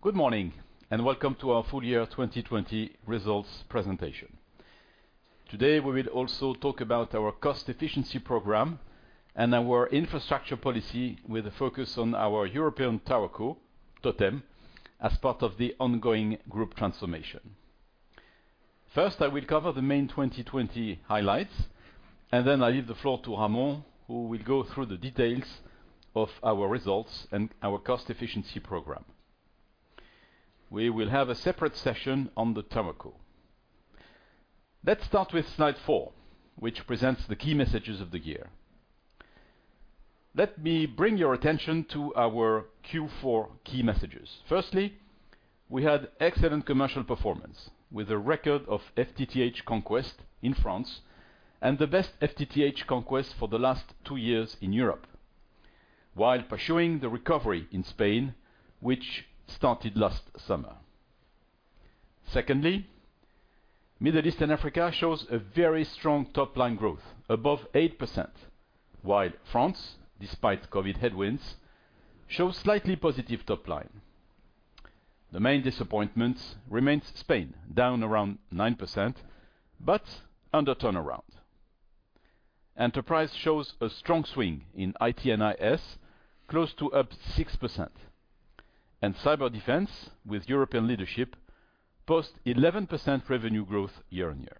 Good morning, and welcome to our full year 2020 results presentation. Today we will also talk about our cost efficiency program and our infrastructure policy with a focus on our European TowerCo, Totem, as part of the ongoing group transformation. First, I will cover the main 2020 highlights, and then I leave the floor to Ramon, who will go through the details of our results and our cost efficiency program. We will have a separate session on the TowerCo. Let's start with slide four, which presents the key messages of the year. Let me bring your attention to our Q4 key messages. Firstly, we had excellent commercial performance with a record of FTTH conquest in France and the best FTTH conquest for the last two years in Europe, while pursuing the recovery in Spain, which started last summer. Secondly, Middle East and Africa show a very strong top-line growth, above 8%, while France, despite COVID headwinds, shows slightly positive top-line. The main disappointment remains Spain, down around 9%, but under turnaround. Enterprise shows a strong swing in IT and IS, close to up 6%, and Cyber Defense, with European leadership, posts 11% revenue growth year on year.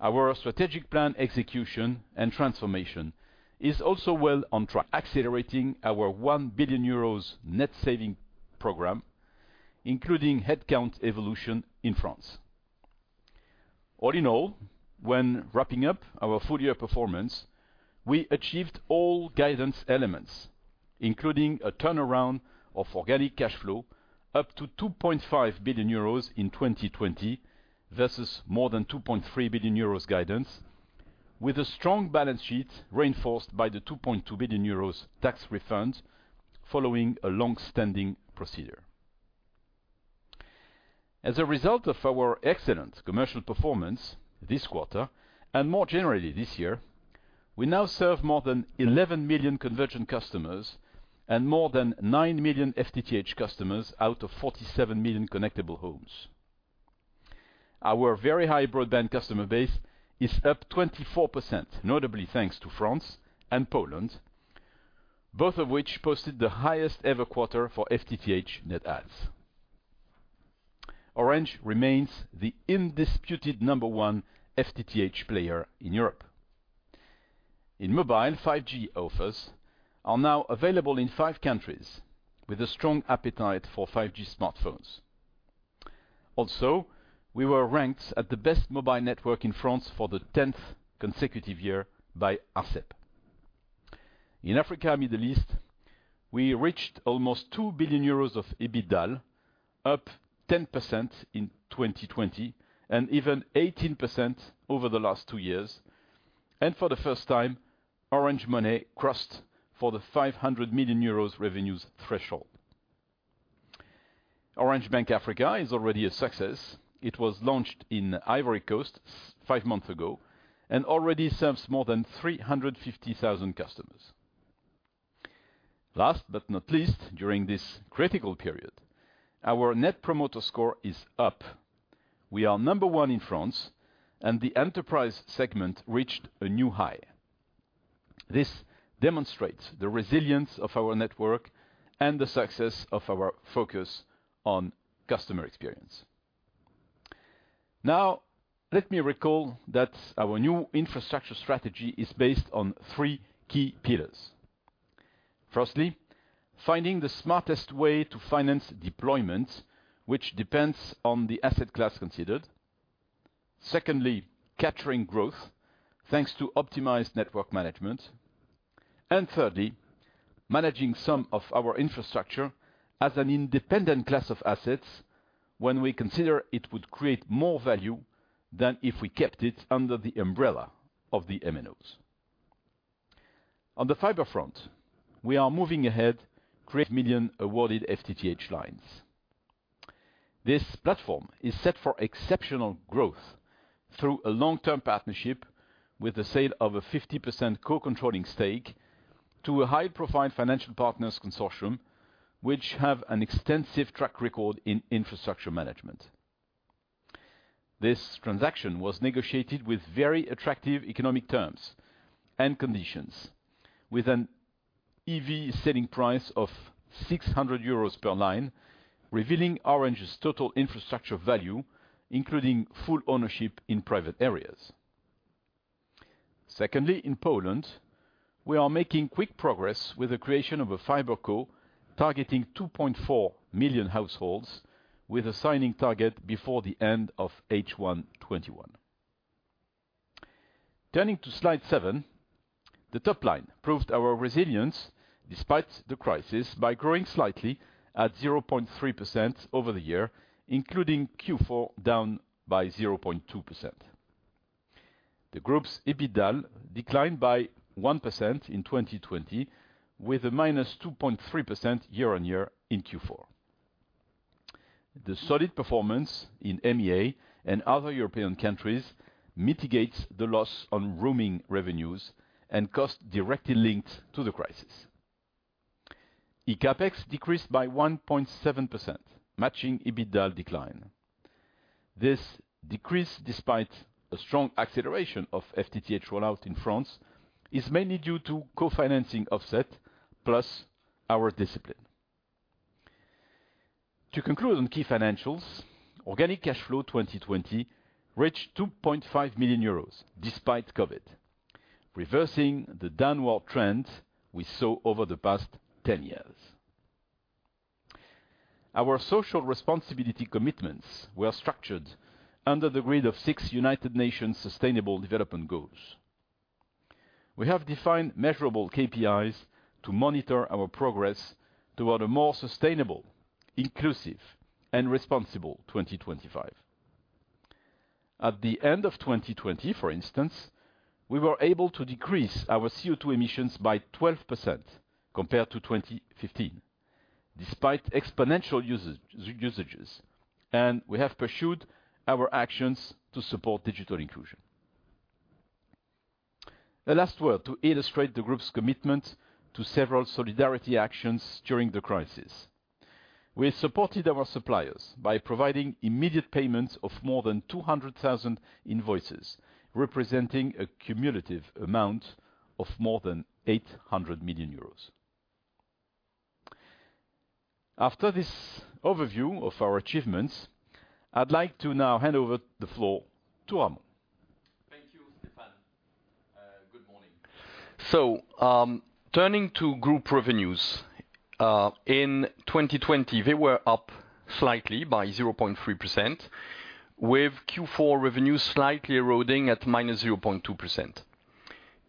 Our strategic plan execution and transformation is also well on track, accelerating our 1 billion euros net saving program, including headcount evolution in France. All in all, when wrapping up our full year performance, we achieved all guidance elements, including a turnaround of organic cash flow up to 2.5 billion euros in 2020 versus more than 2.3 billion euros guidance, with a strong balance sheet reinforced by the 2.2 billion euros tax refund following a long-standing procedure. As a result of our excellent commercial performance this quarter and more generally this year, we now serve more than 11 million convergent customers and more than 9 million FTTH customers out of 47 million connectable homes. Our very high broadband customer base is up 24%, notably thanks to France and Poland, both of which posted the highest ever quarter for FTTH net adds. Orange remains the indisputable number one FTTH player in Europe. In mobile, 5G offers are now available in five countries, with a strong appetite for 5G smartphones. Also, we were ranked as the best mobile network in France for the 10th consecutive year by ASEP. In Africa and the Middle East, we reached almost 2 billion euros of EBITDA, up 10% in 2020 and even 18% over the last two years. For the first time, Orange Money crossed the 500 million euros revenues threshold. Orange Bank Africa is already a success. It was launched in Ivory Coast five months ago and already serves more than 350,000 customers. Last but not least, during this critical period, our net promoter score is up. We are number one in France, and the enterprise segment reached a new high. This demonstrates the resilience of our network and the success of our focus on customer experience. Now, let me recall that our new infrastructure strategy is based on three key pillars. Firstly, finding the smartest way to finance deployment, which depends on the asset class considered. Secondly, capturing growth thanks to optimized network management. Thirdly, managing some of our infrastructure as an independent class of assets when we consider it would create more value than if we kept it under the umbrella of the MNOs. On the fiber front, we are moving ahead to create million awarded FTTH lines. This platform is set for exceptional growth through a long-term partnership with the sale of a 50% co-controlling stake to a high-profile financial partners consortium, which have an extensive track record in infrastructure management. This transaction was negotiated with very attractive economic terms and conditions, with an EV selling price of 600 euros per line, revealing Orange's total infrastructure value, including full ownership in private areas. Secondly, in Poland, we are making quick progress with the creation of a fiber co targeting 2.4 million households, with a signing target before the end of H1 2021. Turning to slide seven, the top line proved our resilience despite the crisis by growing slightly at 0.3% over the year, including Q4 down by 0.2%. The group's EBITDA declined by 1% in 2020, with a minus 2.3% year on year in Q4. The solid performance in MEA and other European countries mitigates the loss on roaming revenues and costs directly linked to the crisis. ECapEx decreased by 1.7%, matching EBITDA decline. This decrease, despite a strong acceleration of FTTH rollout in France, is mainly due to co-financing offset plus our discipline. To conclude on key financials, organic cash flow 2020 reached 2.5 million euros despite COVID, reversing the downward trend we saw over the past 10 years. Our social responsibility commitments were structured under the grid of six United Nations Sustainable Development Goals. We have defined measurable KPIs to monitor our progress toward a more sustainable, inclusive, and responsible 2025. At the end of 2020, for instance, we were able to decrease our CO2 emissions by 12% compared to 2015, despite exponential usages, and we have pursued our actions to support digital inclusion. A last word to illustrate the group's commitment to several solidarity actions during the crisis. We supported our suppliers by providing immediate payments of more than 200,000 invoices, representing a cumulative amount of more than 800 million euros. After this overview of our achievements, I'd like to now hand over the floor to Ramon. Thank you, Stéphane. Good morning. Turning to group revenues, in 2020, they were up slightly by 0.3%, with Q4 revenues slightly eroding at -0.2%.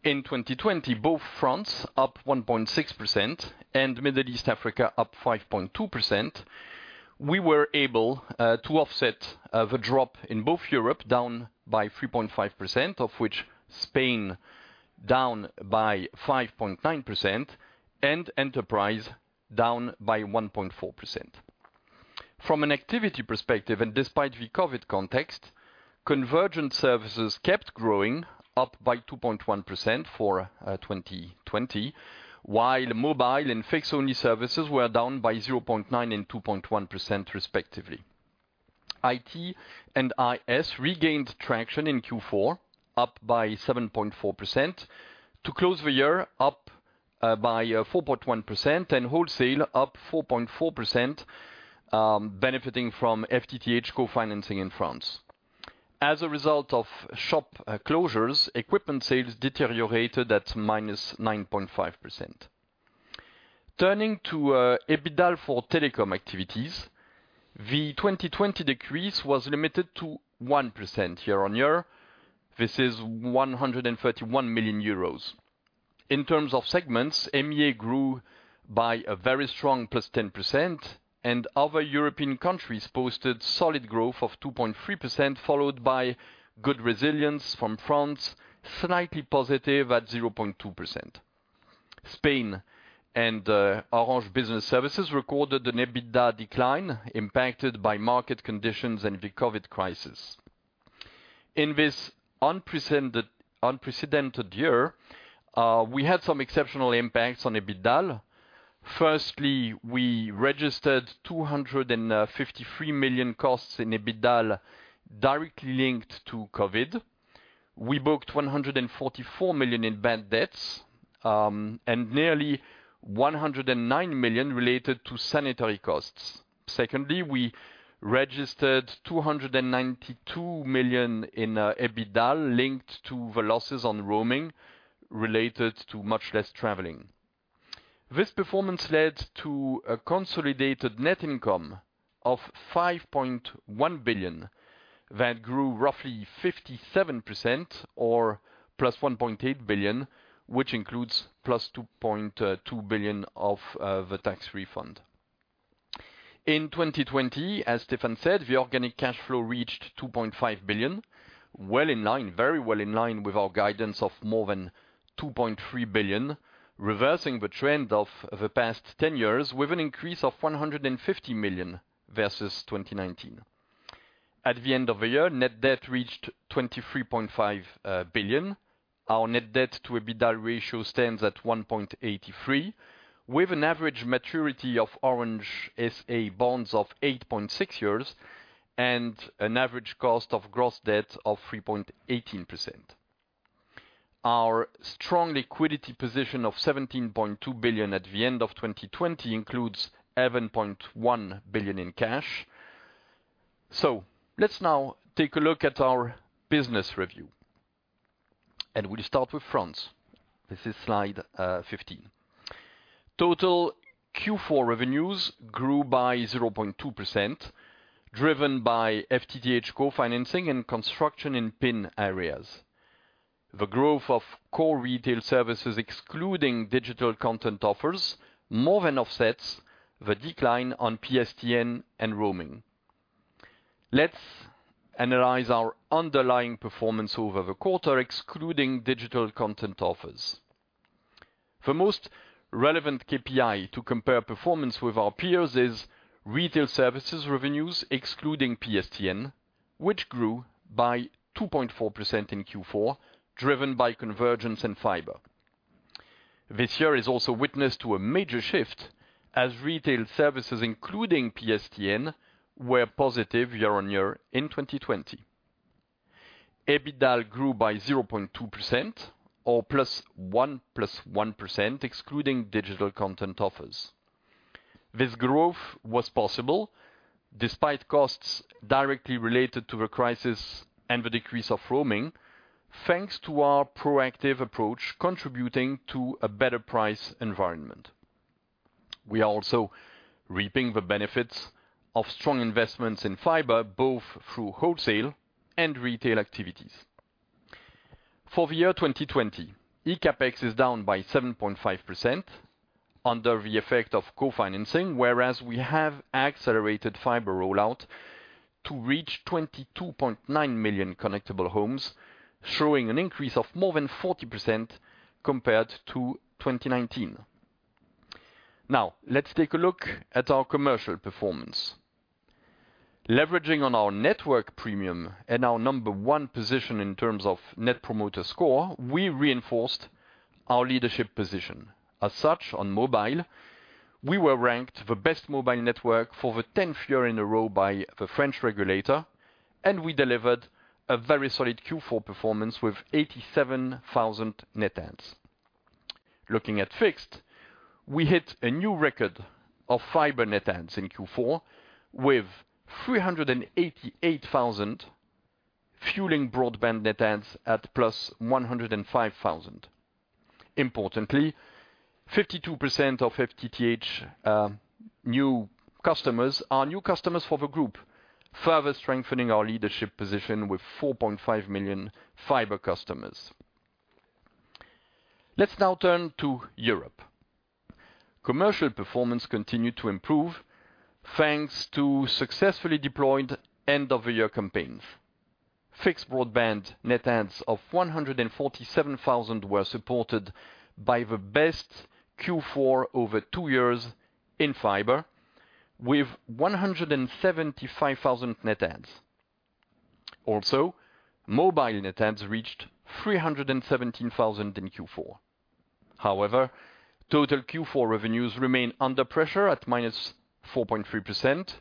In 2020, both France, up 1.6%, and Middle East Africa, up 5.2%. We were able to offset the drop in both Europe down by 3.5%, of which Spain down by 5.9%, and enterprise down by 1.4%. From an activity perspective, and despite the COVID context, convergent services kept growing, up by 2.1% for 2020, while mobile and fixed-only services were down by 0.9% and 2.1%, respectively. IT and IS regained traction in Q4, up by 7.4%, to close the year up by 4.1%, and wholesale up 4.4%, benefiting from FTTH co-financing in France. As a result of shop closures, equipment sales deteriorated at -9.5%. Turning to EBITDA for telecom activities, the 2020 decrease was limited to 1% year on year. This is 131 million euros. In terms of segments, MEA grew by a very strong plus 10%, and other European countries posted solid growth of 2.3%, followed by good resilience from France, slightly positive at 0.2%. Spain and Orange Business Services recorded an EBITDA decline impacted by market conditions and the COVID crisis. In this unprecedented year, we had some exceptional impacts on EBITDA. Firstly, we registered 253 million costs in EBITDA directly linked to COVID. We booked 144 million in bank debts and nearly 109 million related to sanitary costs. Secondly, we registered 292 million in EBITDA linked to the losses on roaming related to much less traveling. This performance led to a consolidated net income of 5.1 billion that grew roughly 57% or plus 1.8 billion, which includes plus 2.2 billion of the tax refund. In 2020, as Stéphane said, the organic cash flow reached €2.5 billion, very well in line with our guidance of more than €2.3 billion, reversing the trend of the past 10 years with an increase of €150 million versus 2019. At the end of the year, net debt reached €23.5 billion. Our net debt to EBITDA ratio stands at 1.83, with an average maturity of Orange SA bonds of 8.6 years and an average cost of gross debt of 3.18%. Our strong liquidity position of €17.2 billion at the end of 2020 includes €11.1 billion in cash. Let's now take a look at our business review, and we'll start with France. This is slide 15. Total Q4 revenues grew by 0.2%, driven by FTTH co-financing and construction in PIN areas. The growth of core retail services, excluding digital content offers, more than offsets the decline on PSTN and roaming. Let's analyze our underlying performance over the quarter, excluding digital content offers. The most relevant KPI to compare performance with our peers is retail services revenues, excluding PSTN, which grew by 2.4% in Q4, driven by convergence and fiber. This year is also witnessed to a major shift as retail services, including PSTN, were positive year on year in 2020. EBITDA grew by 0.2% or plus 1%, excluding digital content offers. This growth was possible despite costs directly related to the crisis and the decrease of roaming, thanks to our proactive approach contributing to a better price environment. We are also reaping the benefits of strong investments in fiber, both through wholesale and retail activities. For the year 2020, eCapEx is down by 7.5% under the effect of co-financing, whereas we have accelerated fiber rollout to reach 22.9 million connectable homes, showing an increase of more than 40% compared to 2019. Now, let's take a look at our commercial performance. Leveraging on our network premium and our number one position in terms of net promoter score, we reinforced our leadership position. As such, on mobile, we were ranked the best mobile network for the 10th year in a row by the French regulator, and we delivered a very solid Q4 performance with 87,000 net adds. Looking at fixed, we hit a new record of fiber net adds in Q4 with 388,000, fueling broadband net adds at plus 105,000. Importantly, 52% of FTTH new customers are new customers for the group, further strengthening our leadership position with 4.5 million fiber customers. Let's now turn to Europe. Commercial performance continued to improve thanks to successfully deployed end-of-the-year campaigns. Fixed broadband net adds of 147,000 were supported by the best Q4 over two years in fiber, with 175,000 net adds. Also, mobile net adds reached 317,000 in Q4. However, total Q4 revenues remain under pressure at -4.3%,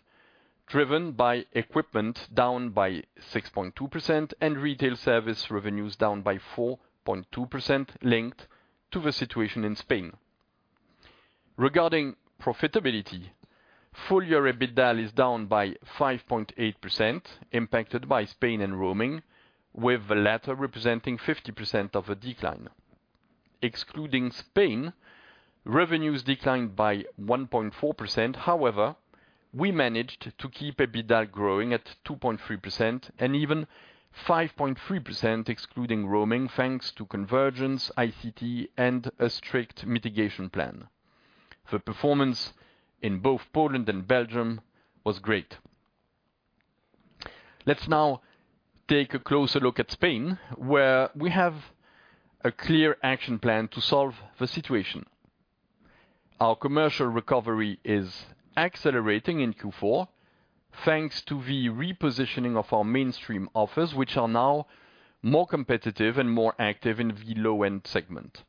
driven by equipment down by 6.2% and retail service revenues down by 4.2% linked to the situation in Spain. Regarding profitability, full-year EBITDA is down by 5.8%, impacted by Spain and roaming, with the latter representing 50% of the decline. Excluding Spain, revenues declined by 1.4%. However, we managed to keep EBITDA growing at 2.3% and even 5.3%, excluding roaming, thanks to convergence, ICiti, and a strict mitigation plan. The performance in both Poland and Belgium was great. Let's now take a closer look at Spain, where we have a clear action plan to solve the situation. Our commercial recovery is accelerating in Q4, thanks to the repositioning of our mainstream offers, which are now more competitive and more active in the low-end segment.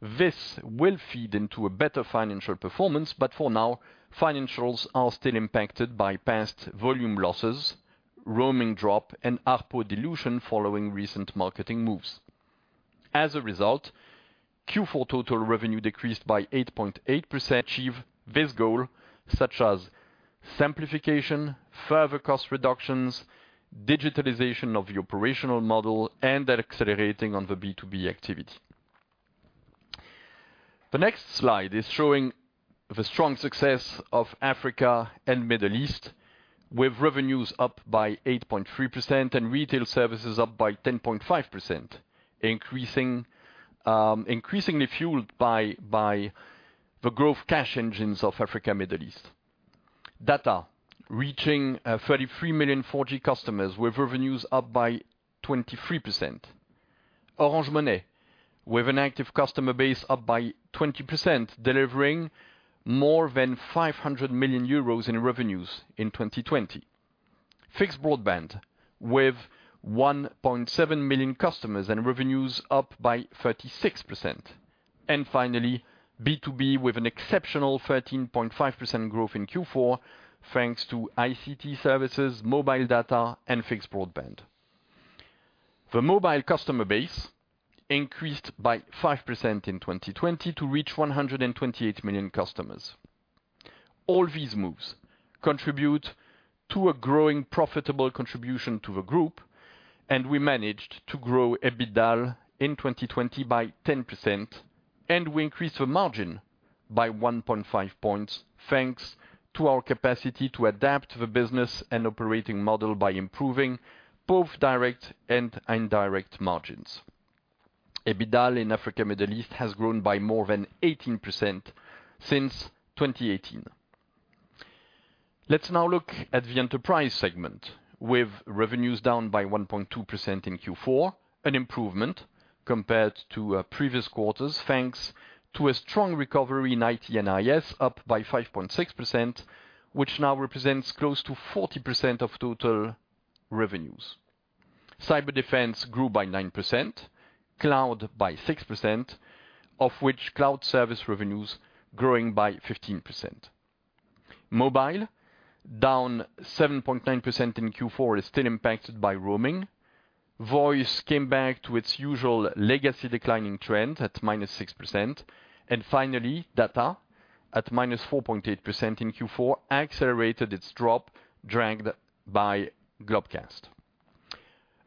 This will feed into a better financial performance, but for now, financials are still impacted by past volume losses, roaming drop, and ARPO dilution following recent marketing moves. As a result, Q4 total revenue decreased by 8.8%. Achieve this goal, such as simplification, further cost reductions, digitalization of the operational model, and accelerating on the B2B activity. The next slide is showing the strong success of Africa and Middle East, with revenues up by 8.3% and retail services up by 10.5%, increasingly fueled by the growth cash engines of Africa and Middle East. Data reaching 33 million 4G customers, with revenues up by 23%. Orange Money, with an active customer base up by 20%, delivering more than 500 million euros in revenues in 2020. Fixed broadband, with 1.7 million customers and revenues up by 36%. Finally, B2B, with an exceptional 13.5% growth in Q4, thanks to ICiti services, mobile data, and fixed broadband. The mobile customer base increased by 5% in 2020 to reach 128 million customers. All these moves contribute to a growing profitable contribution to the group, and we managed to grow EBITDA in 2020 by 10%, and we increased the margin by 1.5 percentage points thanks to our capacity to adapt the business and operating model by improving both direct and indirect margins. EBITDA in Africa and Middle East has grown by more than 18% since 2018. Let's now look at the enterprise segment, with revenues down by 1.2% in Q4, an improvement compared to previous quarters, thanks to a strong recovery in IT and IS, up by 5.6%, which now represents close to 40% of total revenues. Cyber defense grew by 9%, cloud by 6%, of which cloud service revenues growing by 15%. Mobile, down 7.9% in Q4, is still impacted by roaming. Voice came back to its usual legacy declining trend at minus 6%. Finally, data at minus 4.8% in Q4 accelerated its drop, dragged by Globcast.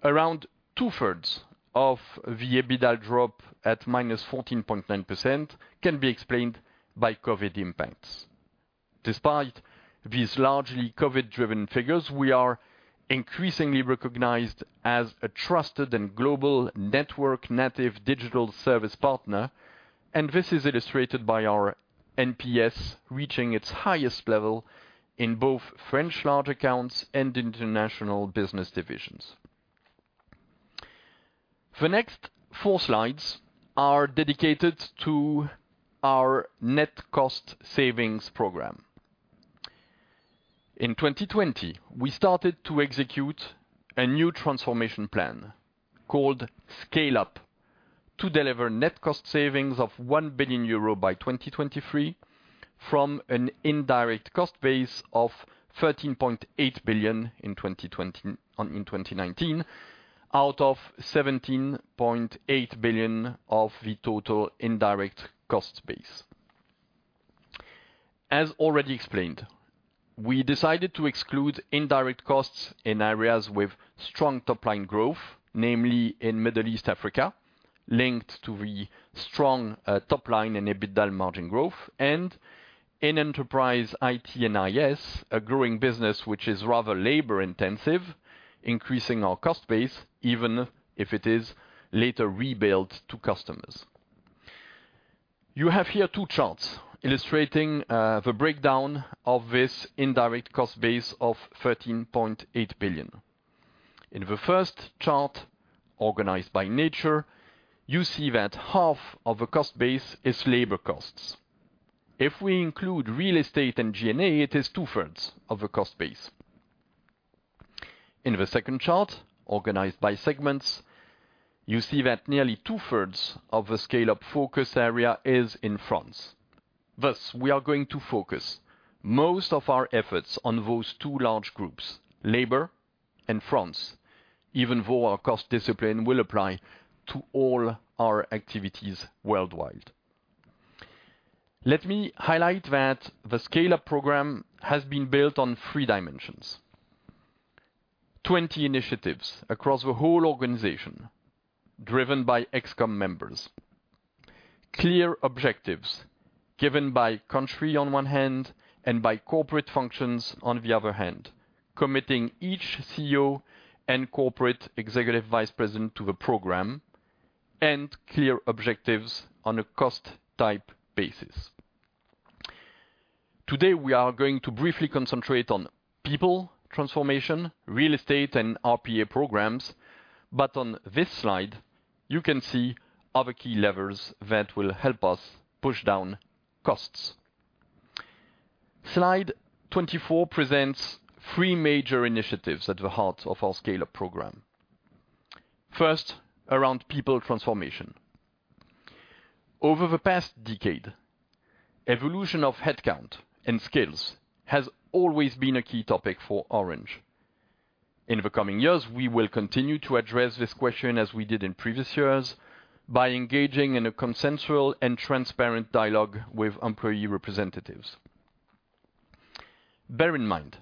Around two-thirds of the EBITDA drop at minus 14.9% can be explained by COVID impacts. Despite these largely COVID-driven figures, we are increasingly recognized as a trusted and global network-native digital service partner, and this is illustrated by our NPS reaching its highest level in both French large accounts and international business divisions. The next four slides are dedicated to our net cost savings program. In 2020, we started to execute a new transformation plan called Scale-Up to deliver net cost savings of 1 billion euro by 2023 from an indirect cost base of 13.8 billion in 2019 out of 17.8 billion of the total indirect cost base. As already explained, we decided to exclude indirect costs in areas with strong top-line growth, namely in Middle East Africa, linked to the strong top-line and EBITDA margin growth, and in enterprise IT and IS, a growing business which is rather labor-intensive, increasing our cost base even if it is later rebuilt to customers. You have here two charts illustrating the breakdown of this indirect cost base of 13.8 billion. In the first chart, organized by nature, you see that half of the cost base is labor costs. If we include real estate and G&A, it is two-thirds of the cost base. In the second chart, organized by segments, you see that nearly two-thirds of the Scale-Up focus area is in France. Thus, we are going to focus most of our efforts on those two large groups, labor and France, even though our cost discipline will apply to all our activities worldwide. Let me highlight that the Scale-Up program has been built on three dimensions: 20 initiatives across the whole organization driven by ex-com members, clear objectives given by country on one hand and by corporate functions on the other hand, committing each CEO and corporate executive vice president to the program, and clear objectives on a cost-type basis. Today, we are going to briefly concentrate on people transformation, real estate, and RPA programs, but on this slide, you can see other key levers that will help us push down costs. Slide 24 presents three major initiatives at the heart of our Scale-Up program. First, around people transformation. Over the past decade, evolution of headcount and skills has always been a key topic for Orange. In the coming years, we will continue to address this question as we did in previous years by engaging in a consensual and transparent dialogue with employee representatives. Bear in mind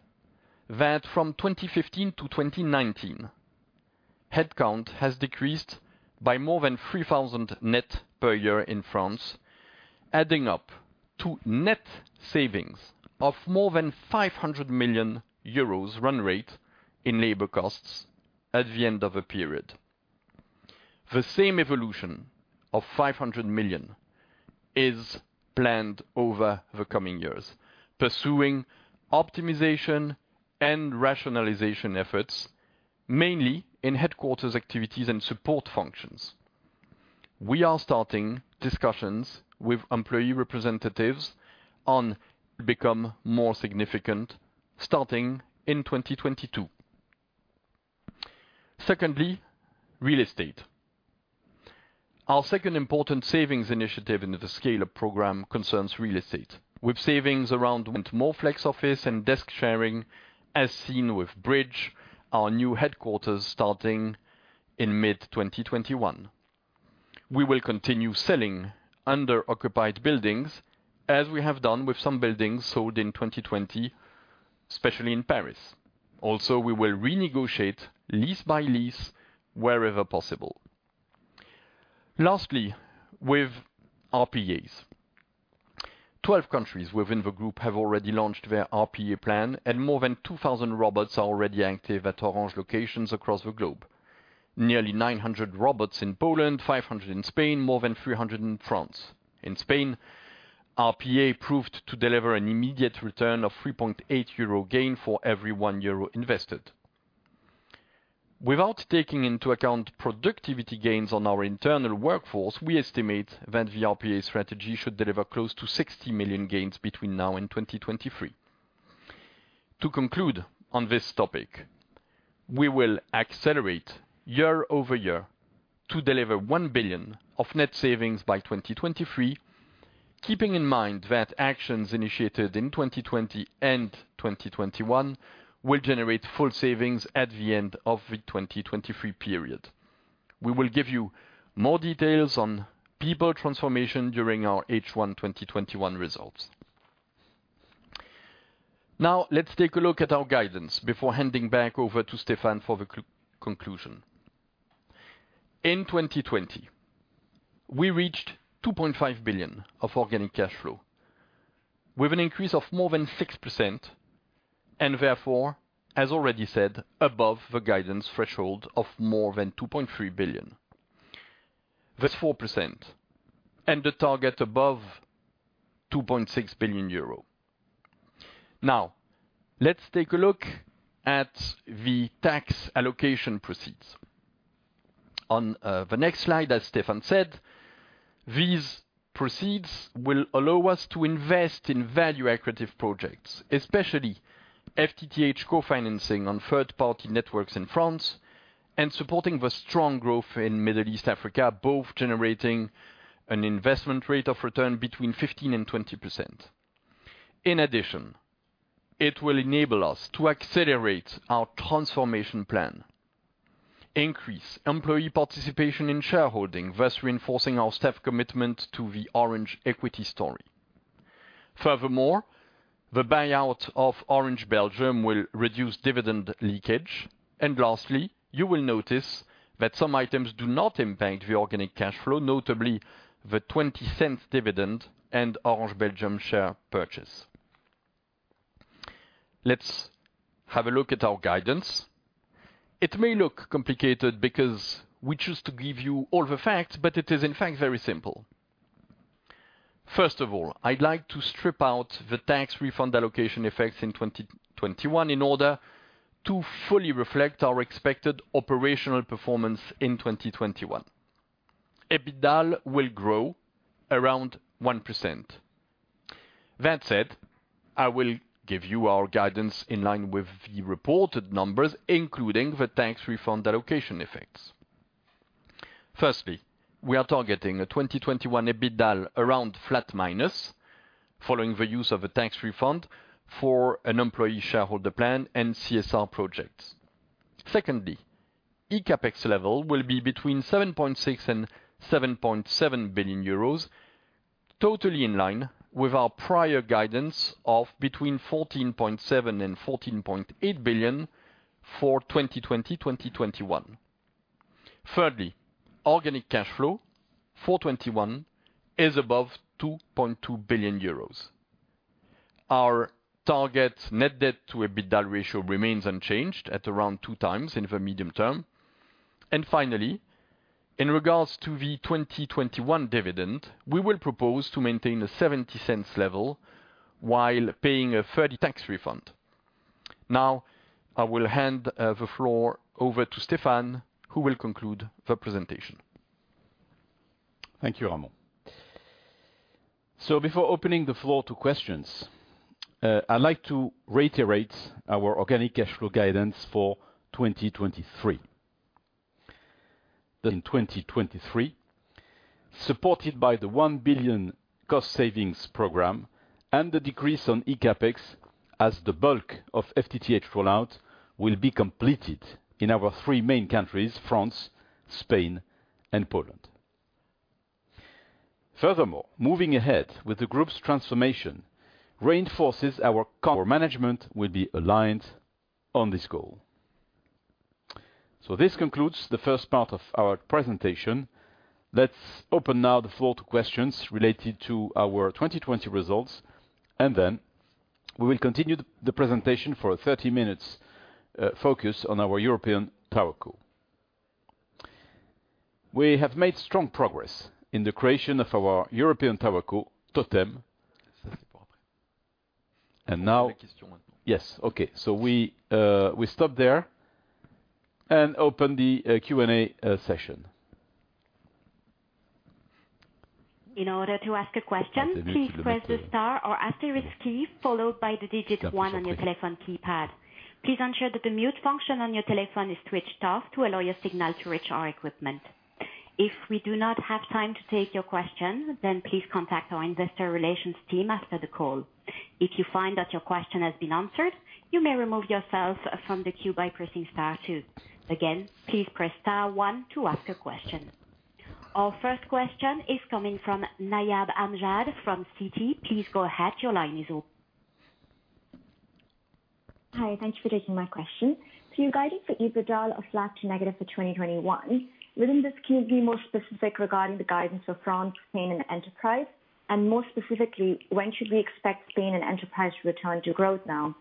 that from 2015 to 2019, headcount has decreased by more than 3,000 net per year in France, adding up to net savings of more than 500 million euros run rate in labor costs at the end of a period. The same evolution of 500 million is planned over the coming years, pursuing optimization and rationalization efforts, mainly in headquarters activities and support functions. We are starting discussions with employee representatives on. Become more significant starting in 2022. Secondly, real estate. Our second important savings initiative in the Scale-Up program concerns real estate, with savings around. More flex office and desk sharing, as seen with Bridge, our new headquarters starting in mid-2021. We will continue selling under-occupied buildings, as we have done with some buildings sold in 2020, especially in Paris. Also, we will renegotiate lease by lease wherever possible. Lastly, with RPAs. Twelve countries within the group have already launched their RPA plan, and more than 2,000 robots are already active at Orange locations across the globe. Nearly 900 robots in Poland, 500 in Spain, more than 300 in France. In Spain, RPA proved to deliver an immediate return of 3.8 euro gain for every 1 euro invested. Without taking into account productivity gains on our internal workforce, we estimate that the RPA strategy should deliver close to 60 million gains between now and 2023. To conclude on this topic, we will accelerate year over year to deliver 1 billion of net savings by 2023, keeping in mind that actions initiated in 2020 and 2021 will generate full savings at the end of the 2023 period. We will give you more details on people transformation during our H1 2021 results. Now, let's take a look at our guidance before handing back over to Stéphane for the conclusion. In 2020, we reached 2.5 billion of organic cash flow, with an increase of more than 6%, and therefore, as already said, above the guidance threshold of more than 2.3 billion. The 4% and the target above 2.6 billion euro. Now, let's take a look at the tax allocation proceeds. On the next slide, as Stéphane said, these proceeds will allow us to invest in value-accretive projects, especially FTTH co-financing on third-party networks in France and supporting the strong growth in Middle East Africa, both generating an investment rate of return between 15% and 20%. In addition, it will enable us to accelerate our transformation plan, increase employee participation in shareholding versus reinforcing our staff commitment to the Orange equity story. Furthermore, the buyout of Orange Belgium will reduce dividend leakage. Lastly, you will notice that some items do not impact the organic cash flow, notably the 0.20 dividend and Orange Belgium share purchase. Let's have a look at our guidance. It may look complicated because we choose to give you all the facts, but it is in fact very simple. First of all, I'd like to strip out the tax refund allocation effects in 2021 in order to fully reflect our expected operational performance in 2021. EBITDA will grow around 1%. That said, I will give you our guidance in line with the reported numbers, including the tax refund allocation effects. Firstly, we are targeting a 2021 EBITDA around flat minus following the use of a tax refund for an employee shareholder plan and CSR projects. Secondly, eCapEx level will be between 7.6 billion-7.7 billion euros, totally in line with our prior guidance of between 14.7 billion-14.8 billion for 2020-2021. Thirdly, organic cash flow for 2021 is above 2.2 billion euros. Our target net debt to EBITDA ratio remains unchanged at around two times in the medium term. Finally, in regards to the 2021 dividend, we will propose to maintain a 70 cents level while paying a 30. Tax refund. Now, I will hand the floor over to Stéphane, who will conclude the presentation. Thank you, Ramon. Before opening the floor to questions, I'd like to reiterate our organic cash flow guidance for 2023. In 2023, supported by the 1 billion cost savings program and the decrease on eCapEx as the bulk of FTTH rollout will be completed in our three main countries, France, Spain, and Poland. Furthermore, moving ahead with the group's transformation reinforces our management will be aligned on this goal. This concludes the first part of our presentation. Let's open now the floor to questions related to our 2020 results, and then we will continue the presentation for 30 minutes focused on our European TowerCo. We have made strong progress in the creation of our European TowerCo, Totem. La question maintenant. Yes, okay. We stop there and open the Q&A session. In order to ask a question, please press the star or asterisk key followed by the digit one on your telephone keypad. Please ensure that the mute function on your telephone is switched off to allow your signal to reach our equipment. If we do not have time to take your question, then please contact our investor relations team after the call. If you find that your question has been answered, you may remove yourself from the queue by pressing star two. Again, please press star one to ask a question. Our first question is coming from Nayab Amjad from Citi. Please go ahead. Your line is open. Hi. Thank you for taking my question. Your guidance for EBITDA or flat to negative for 2021, would this community be more specific regarding the guidance for France, Spain, and enterprise? More specifically, when should we expect Spain and enterprise to return to growth now?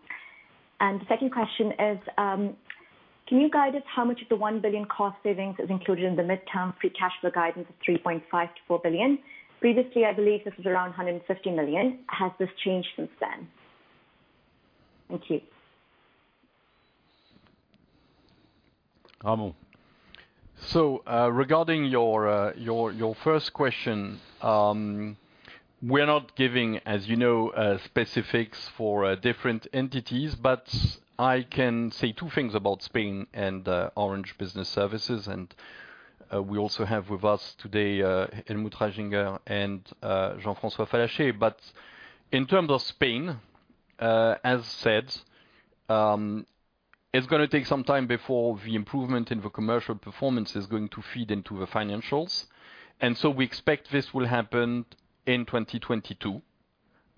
The second question is, can you guide us how much of the 1 billion cost savings is included in the midterm free cash flow guidance of 3.5-4 billion? Previously, I believe this was around 150 million. Has this changed since then? Thank you. Ramon. Regarding your first question, we're not giving, as you know, specifics for different entities, but I can say two things about Spain and Orange Business Services. We also have with us today Helmut Reisinger and Jean-François Fallacher. In terms of Spain, as said, it's going to take some time before the improvement in the commercial performance is going to feed into the financials. We expect this will happen in 2022,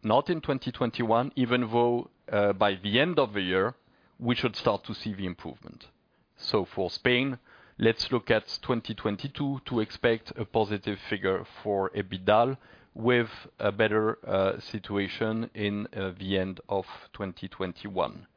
not in 2021, even though by the end of the year, we should start to see the improvement. For Spain, let's look at 2022 to expect a positive figure for EBITDA with a better situation in the end of 2021.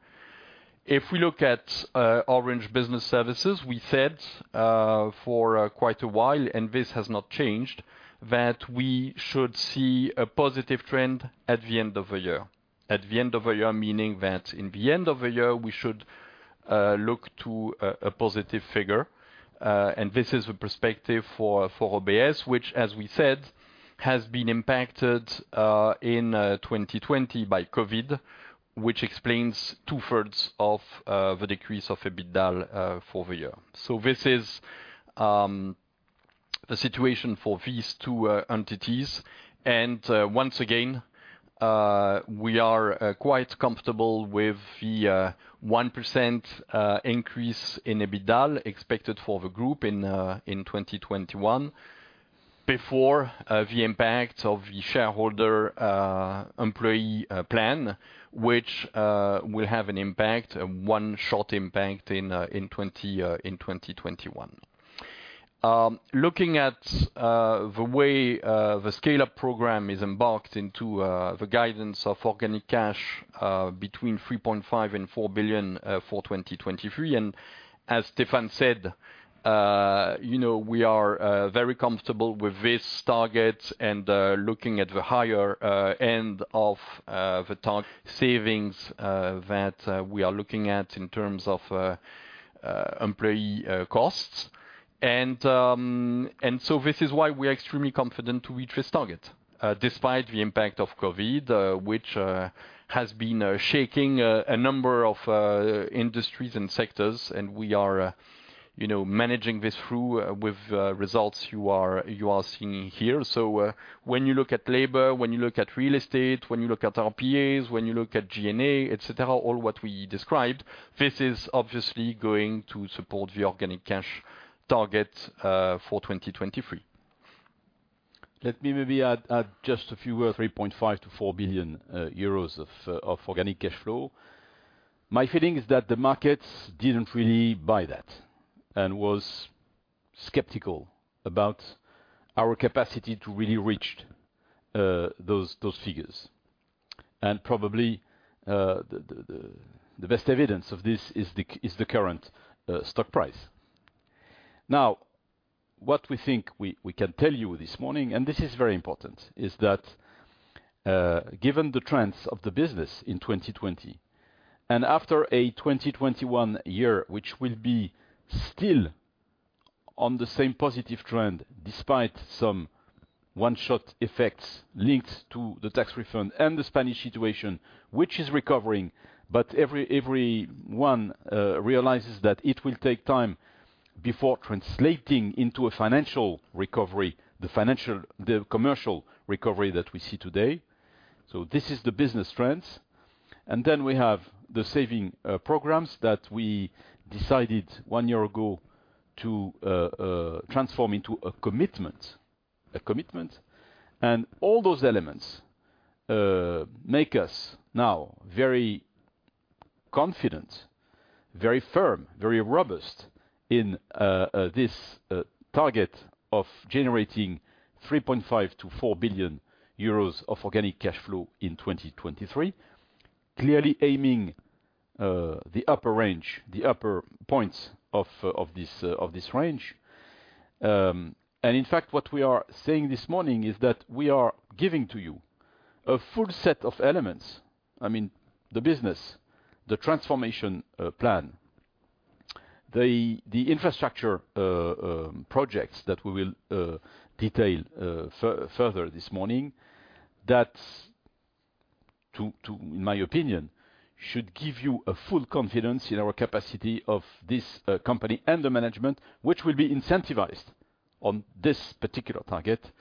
If we look at Orange Business Services, we said for quite a while, and this has not changed, that we should see a positive trend at the end of the year. At the end of the year, meaning that in the end of the year, we should look to a positive figure. This is the perspective for OBS, which, as we said, has been impacted in 2020 by COVID, which explains two-thirds of the decrease of EBITDA for the year. This is the situation for these two entities. Once again, we are quite comfortable with the 1% increase in EBITDA expected for the group in 2021 before the impact of the shareholder employee plan, which will have an impact, one short impact in 2021. Looking at the way the Scale-Up program is embarked into the guidance of organic cash between 3.5 billion and 4 billion for 2023. As Stéphane said, we are very comfortable with this target and looking at the higher end of the savings that we are looking at in terms of employee costs. This is why we are extremely confident to reach this target, despite the impact of COVID, which has been shaking a number of industries and sectors. We are managing this through with results you are seeing here. When you look at labor, when you look at real estate, when you look at RPAs, when you look at G&A, etc., all what we described, this is obviously going to support the organic cash target for 2023. Let me maybe add just a few words. 3.5 billion-4 billion euros of organic cash flow. My feeling is that the markets did not really buy that and were skeptical about our capacity to really reach those figures. Probably the best evidence of this is the current stock price. Now, what we think we can tell you this morning, and this is very important, is that given the trends of the business in 2020 and after a 2021 year, which will be still on the same positive trend despite some one-shot effects linked to the tax refund and the Spanish situation, which is recovering, everyone realizes that it will take time before translating into a financial recovery, the commercial recovery that we see today. This is the business trends. We have the saving programs that we decided one year ago to transform into a commitment. All those elements make us now very confident, very firm, very robust in this target of generating 3.5 billion-4 billion euros of organic cash flow in 2023, clearly aiming the upper range, the upper points of this range. In fact, what we are saying this morning is that we are giving to you a full set of elements, I mean, the business, the transformation plan, the infrastructure projects that we will detail further this morning, that, in my opinion, should give you full confidence in our capacity of this company and the management, which will be incentivized on this particular target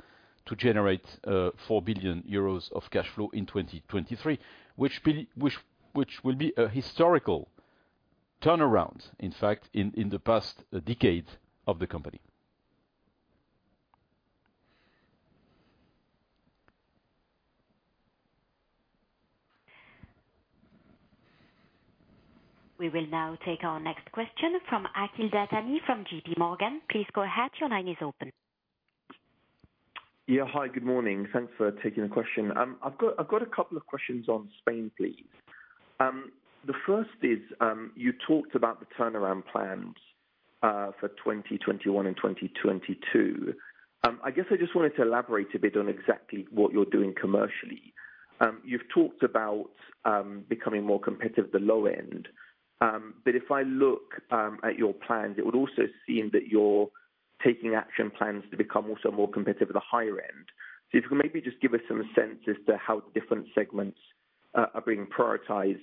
to generate 4 billion euros of cash flow in 2023, which will be a historical turnaround, in fact, in the past decade of the company. We will now take our next question from Aqil Esmail, from JPMorgan. Please go ahead. Your line is open. Yeah. Hi. Good morning. Thanks for taking the question. I've got a couple of questions on Spain, please. The first is you talked about the turnaround plans for 2021 and 2022. I guess I just wanted to elaborate a bit on exactly what you're doing commercially. You've talked about becoming more competitive at the low end. If I look at your plans, it would also seem that you're taking action plans to become also more competitive at the higher end. If you could maybe just give us some sense as to how different segments are being prioritized.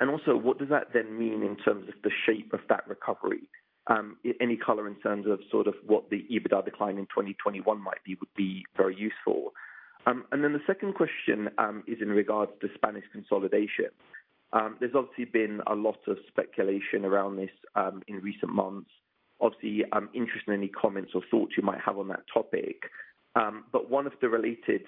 Also, what does that then mean in terms of the shape of that recovery? Any color in terms of sort of what the EBITDA decline in 2021 might be would be very useful. The second question is in regards to Spanish consolidation. There's obviously been a lot of speculation around this in recent months. Obviously, I'm interested in any comments or thoughts you might have on that topic. One of the related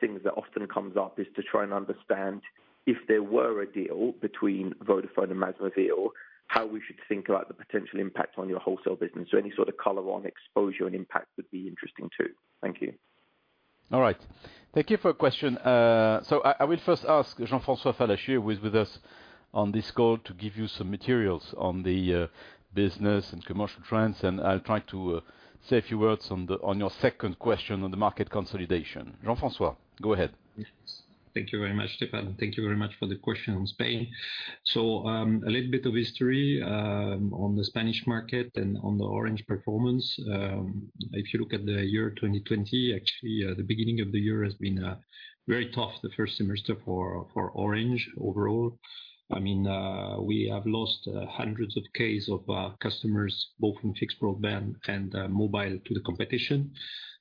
things that often comes up is to try and understand if there were a deal between Vodafone and MASMOVIL, how we should think about the potential impact on your wholesale business. Any sort of color on exposure and impact would be interesting too. Thank you. All right. Thank you for the question. I will first ask Jean-François Fallacher, who is with us on this call, to give you some materials on the business and commercial trends. I'll try to say a few words on your second question on the market consolidation. Jean-François, go ahead. Thank you very much, Stéphane. Thank you very much for the question on Spain. A little bit of history on the Spanish market and on the Orange performance. If you look at the year 2020, actually, the beginning of the year has been very tough, the first semester for Orange overall. I mean, we have lost hundreds of Ks of customers, both in fixed broadband and mobile, to the competition.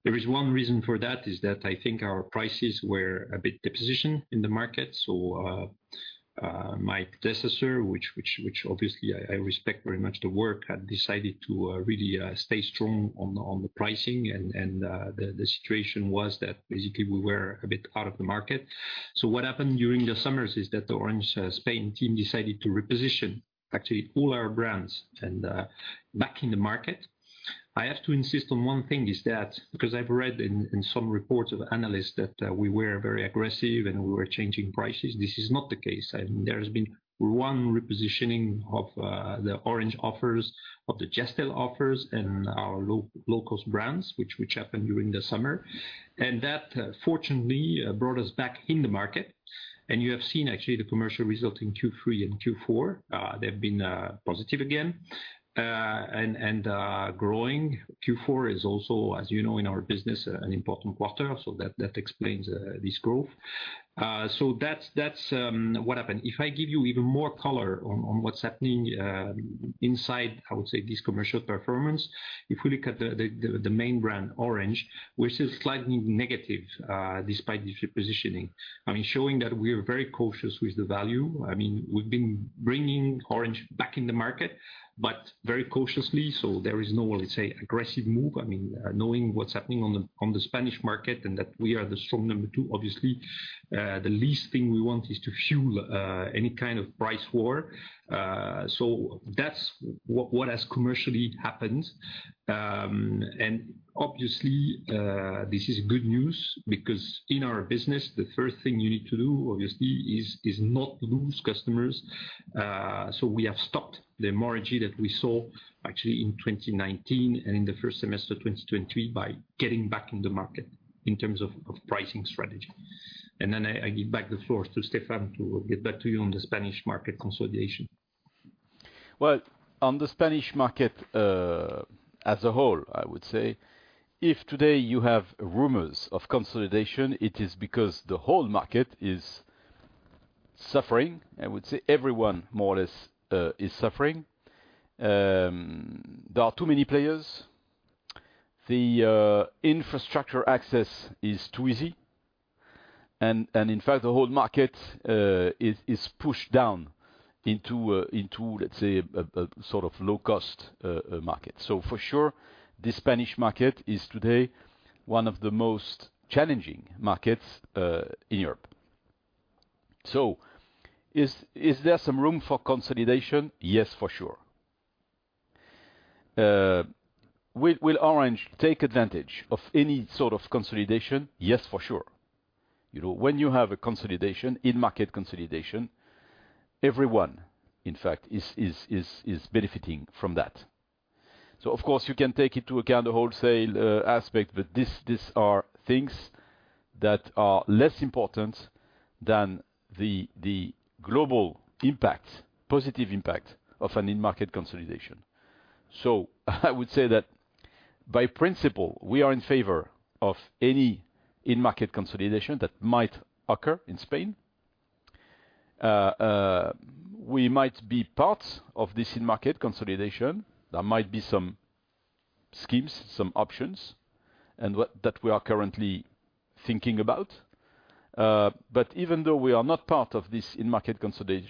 There is one reason for that is that I think our prices were a bit depositioned in the market. So my decisor, which obviously I respect very much the work, had decided to really stay strong on the pricing. The situation was that basically we were a bit out of the market. What happened during the summers is that the Orange Spain team decided to reposition, actually, all our brands and back in the market. I have to insist on one thing is that, because I've read in some reports of analysts that we were very aggressive and we were changing prices, this is not the case. I mean, there has been one repositioning of the Orange offers, of the Gestel offers, and our low-cost brands, which happened during the summer. That, fortunately, brought us back in the market. You have seen, actually, the commercial result in Q3 and Q4. They've been positive again and growing. Q4 is also, as you know, in our business, an important quarter. That explains this growth. That's what happened. If I give you even more color on what's happening inside, I would say, this commercial performance, if we look at the main brand, Orange, which is slightly negative despite this repositioning, I mean, showing that we are very cautious with the value. I mean, we've been bringing Orange back in the market, but very cautiously. There is no, let's say, aggressive move. I mean, knowing what's happening on the Spanish market and that we are the strong number two, obviously, the least thing we want is to fuel any kind of price war. That is what has commercially happened. Obviously, this is good news because in our business, the first thing you need to do, obviously, is not lose customers. We have stopped the margin that we saw, actually, in 2019 and in the first semester of 2023 by getting back in the market in terms of pricing strategy. I give back the floor to Stéphane to get back to you on the Spanish market consolidation. On the Spanish market as a whole, I would say, if today you have rumors of consolidation, it is because the whole market is suffering. I would say everyone, more or less, is suffering. There are too many players. The infrastructure access is too easy. In fact, the whole market is pushed down into, let's say, a sort of low-cost market. For sure, the Spanish market is today one of the most challenging markets in Europe. Is there some room for consolidation? Yes, for sure. Will Orange take advantage of any sort of consolidation? Yes, for sure. When you have a consolidation, in-market consolidation, everyone, in fact, is benefiting from that. Of course, you can take into account the wholesale aspect, but these are things that are less important than the global impact, positive impact of an in-market consolidation. I would say that by principle, we are in favor of any in-market consolidation that might occur in Spain. We might be part of this in-market consolidation. There might be some schemes, some options, and that we are currently thinking about. Even though we are not part of this in-market consolidation,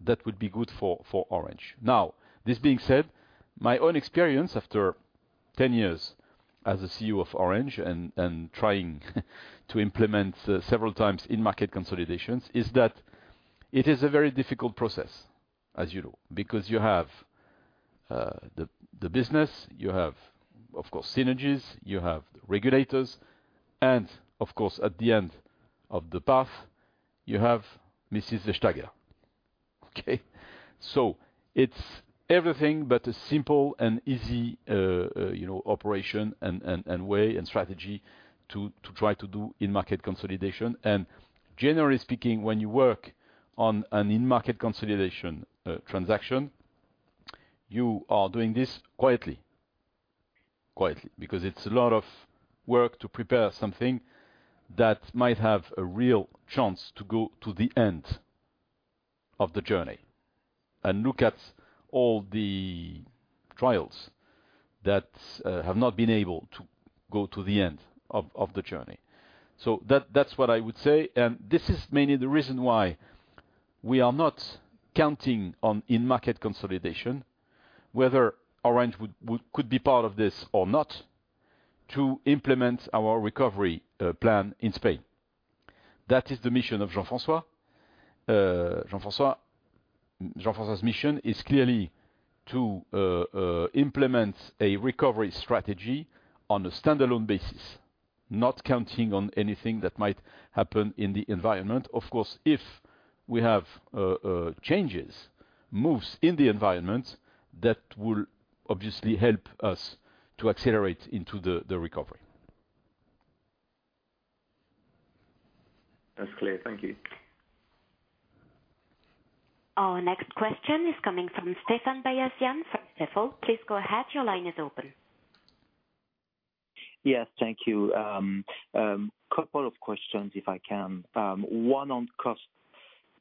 that would be good for Orange. Now, this being said, my own experience after 10 years as the CEO of Orange and trying to implement several times in-market consolidations is that it is a very difficult process, as you know, because you have the business, you have, of course, synergies, you have the regulators, and of course, at the end of the path, you have Mrs. DeShtager. Okay? It is everything but a simple and easy operation and way and strategy to try to do in-market consolidation. Generally speaking, when you work on an in-market consolidation transaction, you are doing this quietly, quietly, because it is a lot of work to prepare something that might have a real chance to go to the end of the journey and look at all the trials that have not been able to go to the end of the journey. That is what I would say. This is mainly the reason why we are not counting on in-market consolidation, whether Orange could be part of this or not, to implement our recovery plan in Spain. That is the mission of Jean-François. Jean-François's mission is clearly to implement a recovery strategy on a standalone basis, not counting on anything that might happen in the environment. Of course, if we have changes, moves in the environment, that will obviously help us to accelerate into the recovery. That is clear. Thank you. Our next question is coming from Stéphane Beyazian from BHF. Please go ahead. Your line is open. Yes. Thank you. A couple of questions, if I can. One on cost.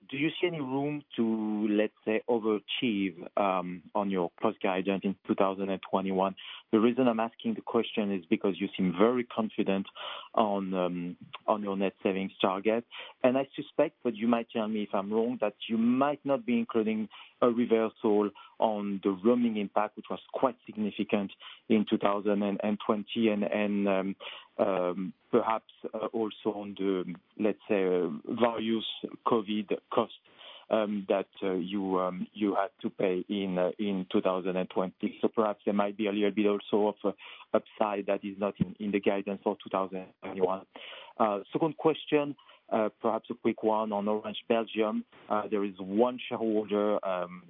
Do you see any room to, let's say, overachieve on your cost guidance in 2021? The reason I'm asking the question is because you seem very confident on your net savings target. I suspect, but you might tell me if I'm wrong, that you might not be including a reversal on the roaming impact, which was quite significant in 2020, and perhaps also on the, let's say, various COVID costs that you had to pay in 2020. Perhaps there might be a little bit also of upside that is not in the guidance for 2021. Second question, perhaps a quick one on Orange Belgium. There is one shareholder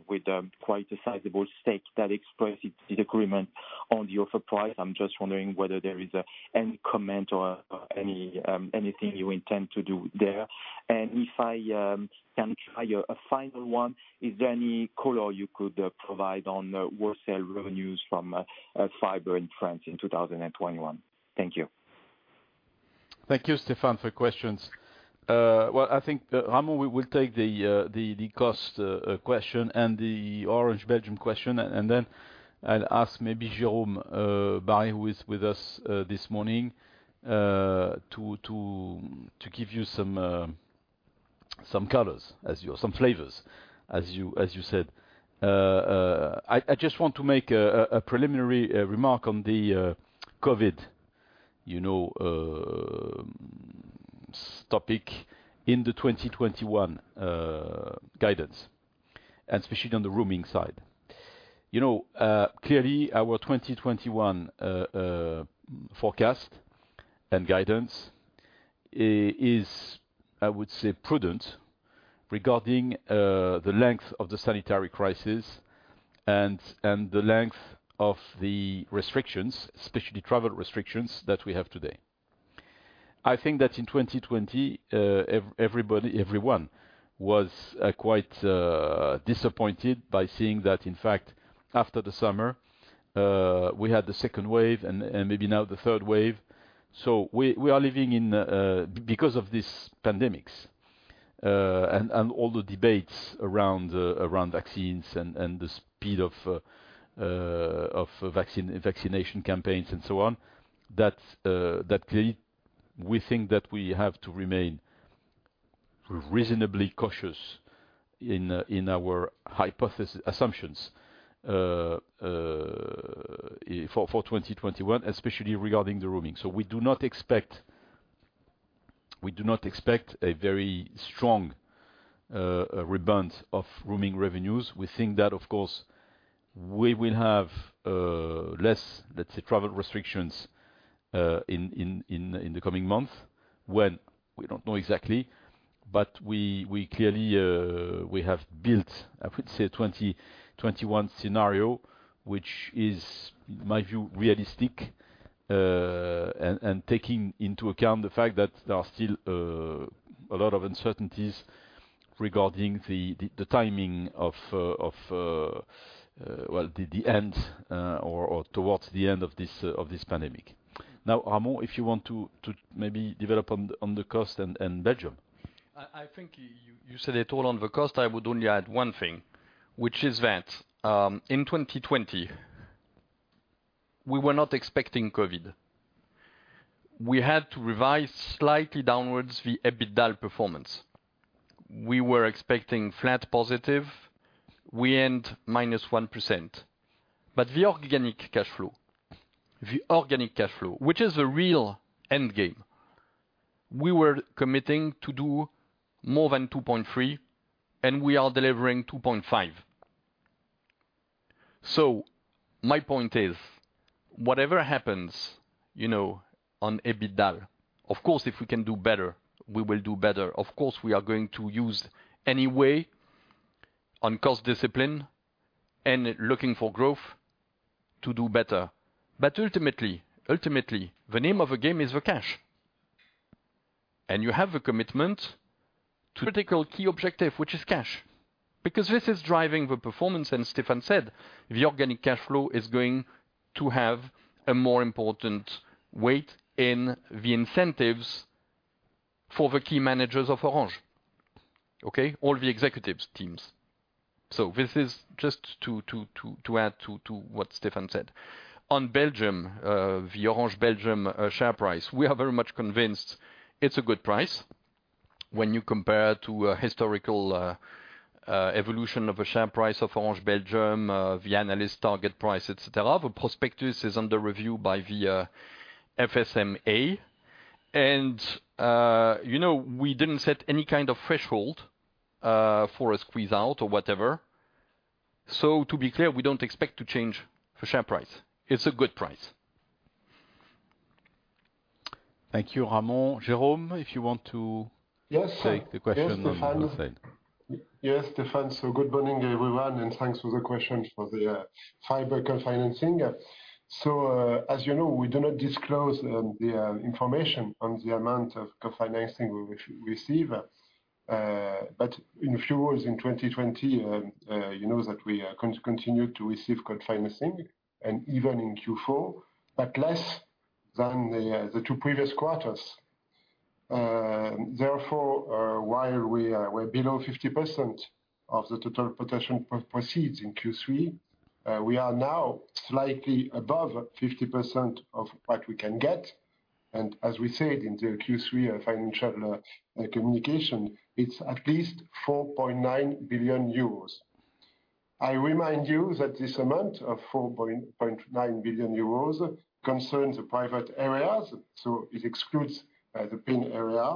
with quite a sizable stake that expressed its disagreement on the offer price. I'm just wondering whether there is any comment or anything you intend to do there. If I can try a final one, is there any color you could provide on wholesale revenues from fiber in France in 2021? Thank you. Thank you, Stéphane, for your questions. I think Ramon will take the cost question and the Orange Belgium question, and then I'll ask maybe Jérôme Barré, who is with us this morning, to give you some colors, some flavors, as you said. I just want to make a preliminary remark on the COVID topic in the 2021 guidance, and especially on the roaming side. Clearly, our 2021 forecast and guidance is, I would say, prudent regarding the length of the sanitary crisis and the length of the restrictions, especially travel restrictions that we have today. I think that in 2020, everyone was quite disappointed by seeing that, in fact, after the summer, we had the second wave and maybe now the third wave. We are living in, because of these pandemics and all the debates around vaccines and the speed of vaccination campaigns and so on, that clearly we think that we have to remain reasonably cautious in our hypotheses, assumptions for 2021, especially regarding the roaming. We do not expect a very strong rebound of roaming revenues. We think that, of course, we will have less, let's say, travel restrictions in the coming months when we don't know exactly, but we clearly have built, I would say, a 2021 scenario, which is, in my view, realistic and taking into account the fact that there are still a lot of uncertainties regarding the timing of, well, the end or towards the end of this pandemic. Now, Ramon, if you want to maybe develop on the cost and Belgium. I think you said it all on the cost. I would only add one thing, which is that in 2020, we were not expecting COVID. We had to revise slightly downwards the EBITDA performance. We were expecting flat positive. We earned minus 1%. The organic cash flow, the organic cash flow, which is a real end game, we were committing to do more than 2.3 billion, and we are delivering 2.5 billion. My point is, whatever happens on EBITDA, of course, if we can do better, we will do better. Of course, we are going to use any way on cost discipline and looking for growth to do better. Ultimately, the name of the game is the cash. You have a commitment to critical key objective, which is cash, because this is driving the performance. Stéphane said the organic cash flow is going to have a more important weight in the incentives for the key managers of Orange, all the executive teams. This is just to add to what Stéphane said. On Belgium, the Orange Belgium share price, we are very much convinced it's a good price when you compare to a historical evolution of a share price of Orange Belgium, the analyst target price, etc. The prospectus is under review by the FSMA. We did not set any kind of threshold for a squeeze out or whatever. To be clear, we do not expect to change the share price. It's a good price. Thank you, Ramon. Jérôme, if you want to take the question on the side. Yes, Stéphane. Yes, Stéphane. Good morning, everyone. Thanks for the question for the fiber co-financing. As you know, we do not disclose the information on the amount of co-financing we receive. In a few words, in 2020, you know that we continue to receive co-financing, and even in Q4, but less than the two previous quarters. Therefore, while we were below 50% of the total protection proceeds in Q3, we are now slightly above 50% of what we can get. As we said in the Q3 financial communication, it's at least 4.9 billion euros. I remind you that this amount of 4.9 billion euros concerns the private areas, so it excludes the PIN area.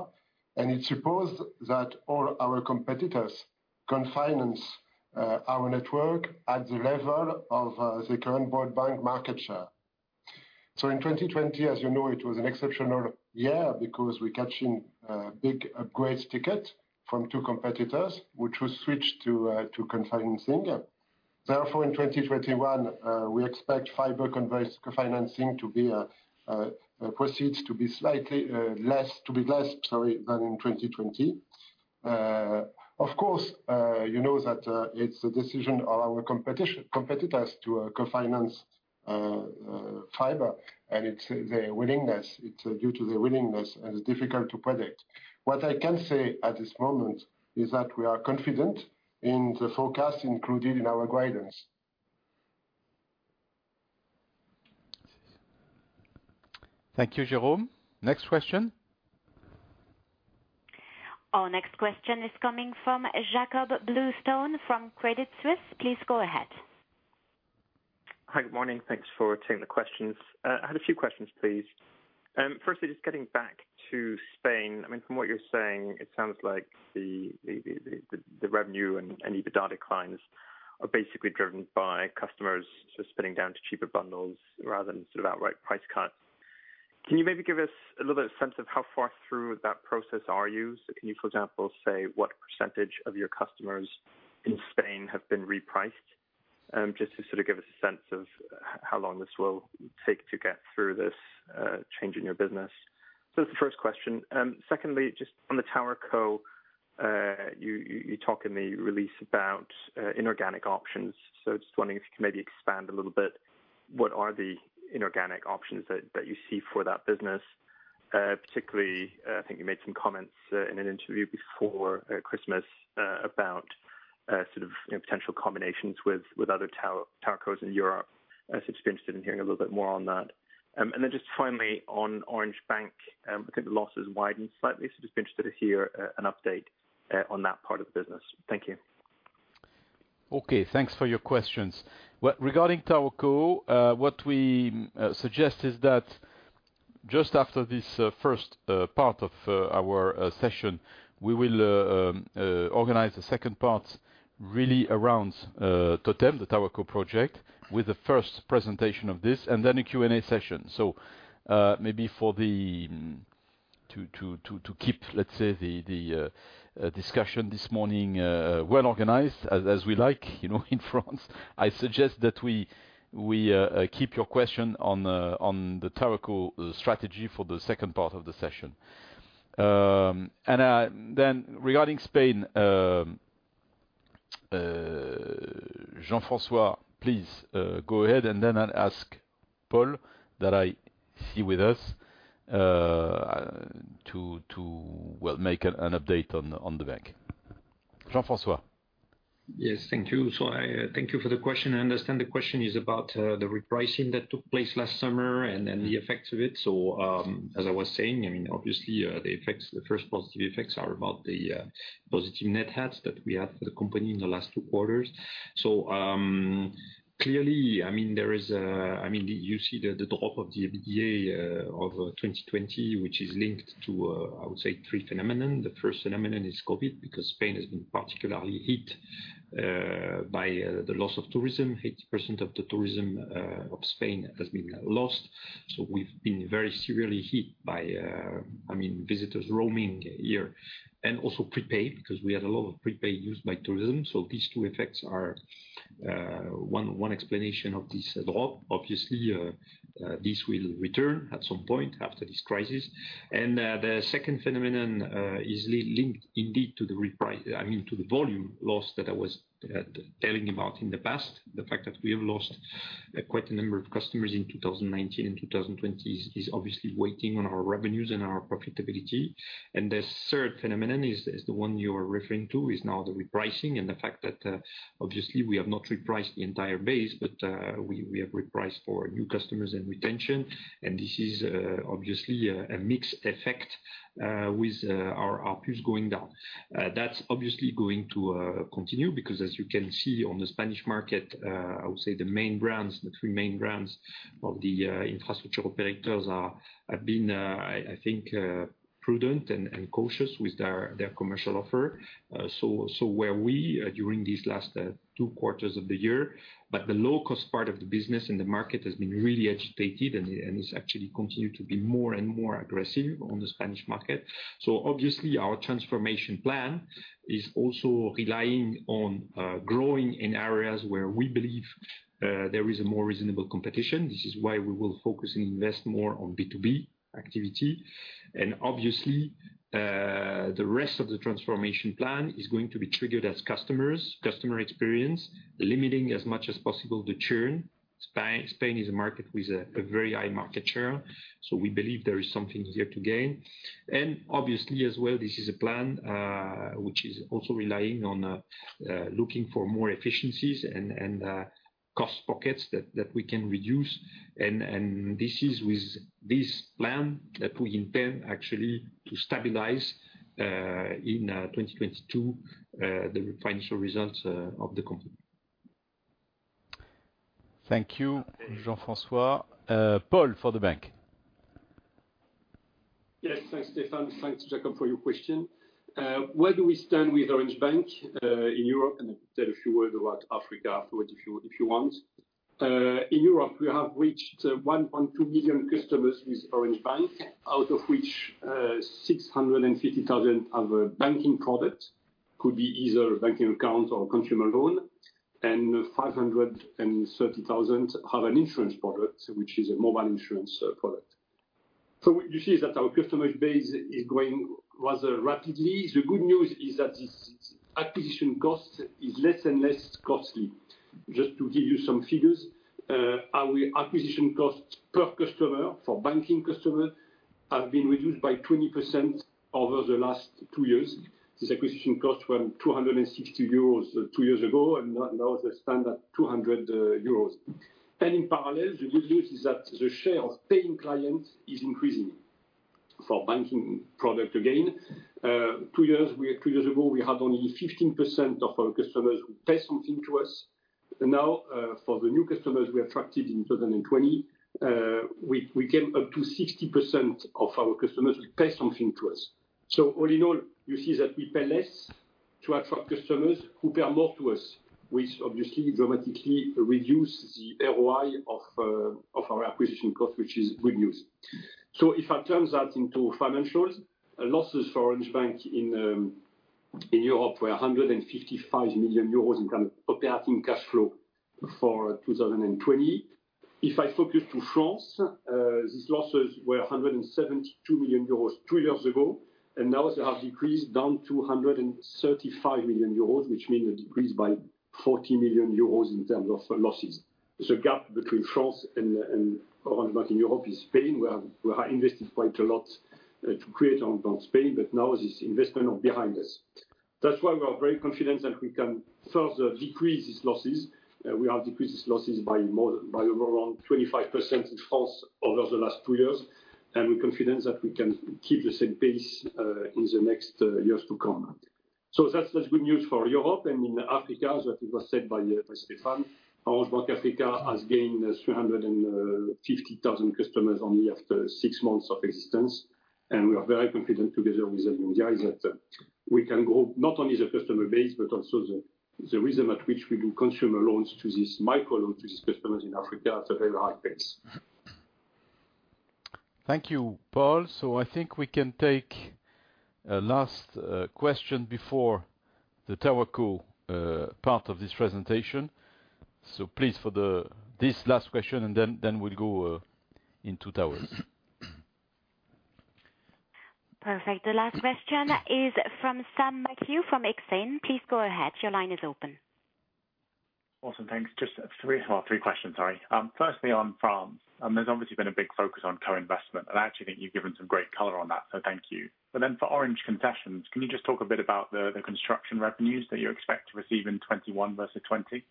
It supposes that all our competitors can finance our network at the level of the current board bank market share. In 2020, as you know, it was an exceptional year because we catch in big upgrade ticket from two competitors, which was switched to co-financing. In 2021, we expect fiber co-financing proceeds to be slightly less than in 2020. Of course, you know that it's a decision of our competitors to co-finance fiber, and it's their willingness. It's due to their willingness, and it's difficult to predict. What I can say at this moment is that we are confident in the forecast included in our guidance. Thank you, Jérôme. Next question. Our next question is coming from Jakob Bluestone from Credit Suisse. Please go ahead. Hi, good morning. Thanks for taking the questions. I had a few questions, please. Firstly, just getting back to Spain, I mean, from what you're saying, it sounds like the revenue and EBITDA declines are basically driven by customers spinning down to cheaper bundles rather than sort of outright price cuts. Can you maybe give us a little bit of sense of how far through that process are you? Can you, for example, say what percentage of your customers in Spain have been repriced, just to sort of give us a sense of how long this will take to get through this change in your business? That is the first question. Secondly, just on the TowerCo, you talk in the release about inorganic options. Just wondering if you can maybe expand a little bit. What are the inorganic options that you see for that business? Particularly, I think you made some comments in an interview before Christmas about sort of potential combinations with other TowerCos in Europe. Just be interested in hearing a little bit more on that. Then just finally, on Orange Bank, I think the loss has widened slightly. Just be interested to hear an update on that part of the business. Thank you. Okay. Thanks for your questions. Regarding TowerCo, what we suggest is that just after this first part of our session, we will organize the second part really around TOTEM, the TowerCo project, with the first presentation of this, and then a Q&A session. Maybe to keep, let's say, the discussion this morning well organized, as we like in France, I suggest that we keep your question on the TowerCo strategy for the second part of the session. Regarding Spain, Jean-François, please go ahead and then I'll ask Paul, that I see with us, to make an update on the bank. Jean-François. Yes, thank you. Thank you for the question. I understand the question is about the repricing that took place last summer and then the effects of it. As I was saying, I mean, obviously, the first positive effects are about the positive net hats that we had for the company in the last two quarters. Clearly, I mean, there is a, I mean, you see the drop of the EBITDA of 2020, which is linked to, I would say, three phenomena. The first phenomenon is COVID because Spain has been particularly hit by the loss of tourism. 80% of the tourism of Spain has been lost. We have been very severely hit by, I mean, visitors roaming here and also prepaid because we had a lot of prepaid used by tourism. These two effects are one explanation of this drop. Obviously, this will return at some point after this crisis. The second phenomenon is linked indeed to the reprice, I mean, to the volume loss that I was telling you about in the past. The fact that we have lost quite a number of customers in 2019 and 2020 is obviously weighting on our revenues and our profitability. The third phenomenon is the one you are referring to, is now the repricing and the fact that obviously we have not repriced the entire base, but we have repriced for new customers and retention. This is obviously a mixed effect with our push going down. That is obviously going to continue because, as you can see on the Spanish market, I would say the main brands, the three main brands of the infrastructure operators have been, I think, prudent and cautious with their commercial offer. So were we during these last two quarters of the year. The low-cost part of the business and the market has been really agitated and is actually continuing to be more and more aggressive on the Spanish market. Obviously, our transformation plan is also relying on growing in areas where we believe there is a more reasonable competition. This is why we will focus and invest more on B2B activity. Obviously, the rest of the transformation plan is going to be triggered as customers, customer experience, limiting as much as possible the churn. Spain is a market with a very high market share. We believe there is something here to gain. Obviously, as well, this is a plan which is also relying on looking for more efficiencies and cost pockets that we can reduce. With this plan, we intend actually to stabilize in 2022 the financial results of the company. Thank you, Jean-François. Paul, for the bank. Yes, thanks, Stéphane. Thanks, Jacob, for your question. Where do we stand with Orange Bank in Europe? I could tell a few words about Africa if you want. In Europe, we have reached 1.2 million customers with Orange Bank, out of which 650,000 have a banking product, could be either a banking account or consumer loan, and 530,000 have an insurance product, which is a mobile insurance product. You see that our customer base is growing rather rapidly. The good news is that this acquisition cost is less and less costly. Just to give you some figures, our acquisition cost per customer for banking customers has been reduced by 20% over the last two years. This acquisition cost was 260 euros two years ago and now is a standard 200 euros. In parallel, the good news is that the share of paying clients is increasing for banking product again. Two years ago, we had only 15% of our customers who pay something to us. Now, for the new customers we attracted in 2020, we came up to 60% of our customers who pay something to us. All in all, you see that we pay less to attract customers who pay more to us, which obviously dramatically reduces the ROI of our acquisition cost, which is good news. If I turn that into financials, losses for Orange Bank in Europe were 155 million euros in kind of operating cash flow for 2020. If I focus to France, these losses were 172 million euros two years ago, and now they have decreased down to 135 million euros, which means a decrease by 40 million euros in terms of losses. The gap between France and Orange Bank in Europe is Spain, where we have invested quite a lot to create Orange Bank Spain, but now this investment is behind us. That is why we are very confident that we can further decrease these losses. We have decreased these losses by around 25% in France over the last two years, and we're confident that we can keep the same pace in the next years to come. That is good news for Europe. In Africa, as I think was said by Stéphane, Orange Bank Africa has gained 350,000 customers only after six months of existence. We are very confident together with them in the eyes that we can grow not only the customer base, but also the reason at which we do consumer loans to these microloans to these customers in Africa at a very high pace. Thank you, Paul. I think we can take a last question before the TowerCo part of this presentation. Please, for this last question, and then we'll go into Towers. Perfect. The last question is from Sam McHugh from Exane. Please go ahead. Your line is open. Awesome. Thanks. Just three questions, sorry. Firstly, on France, there's obviously been a big focus on co-investment. I actually think you've given some great color on that, so thank you. For Orange concessions, can you just talk a bit about the construction revenues that you expect to receive in 2021 versus 2020,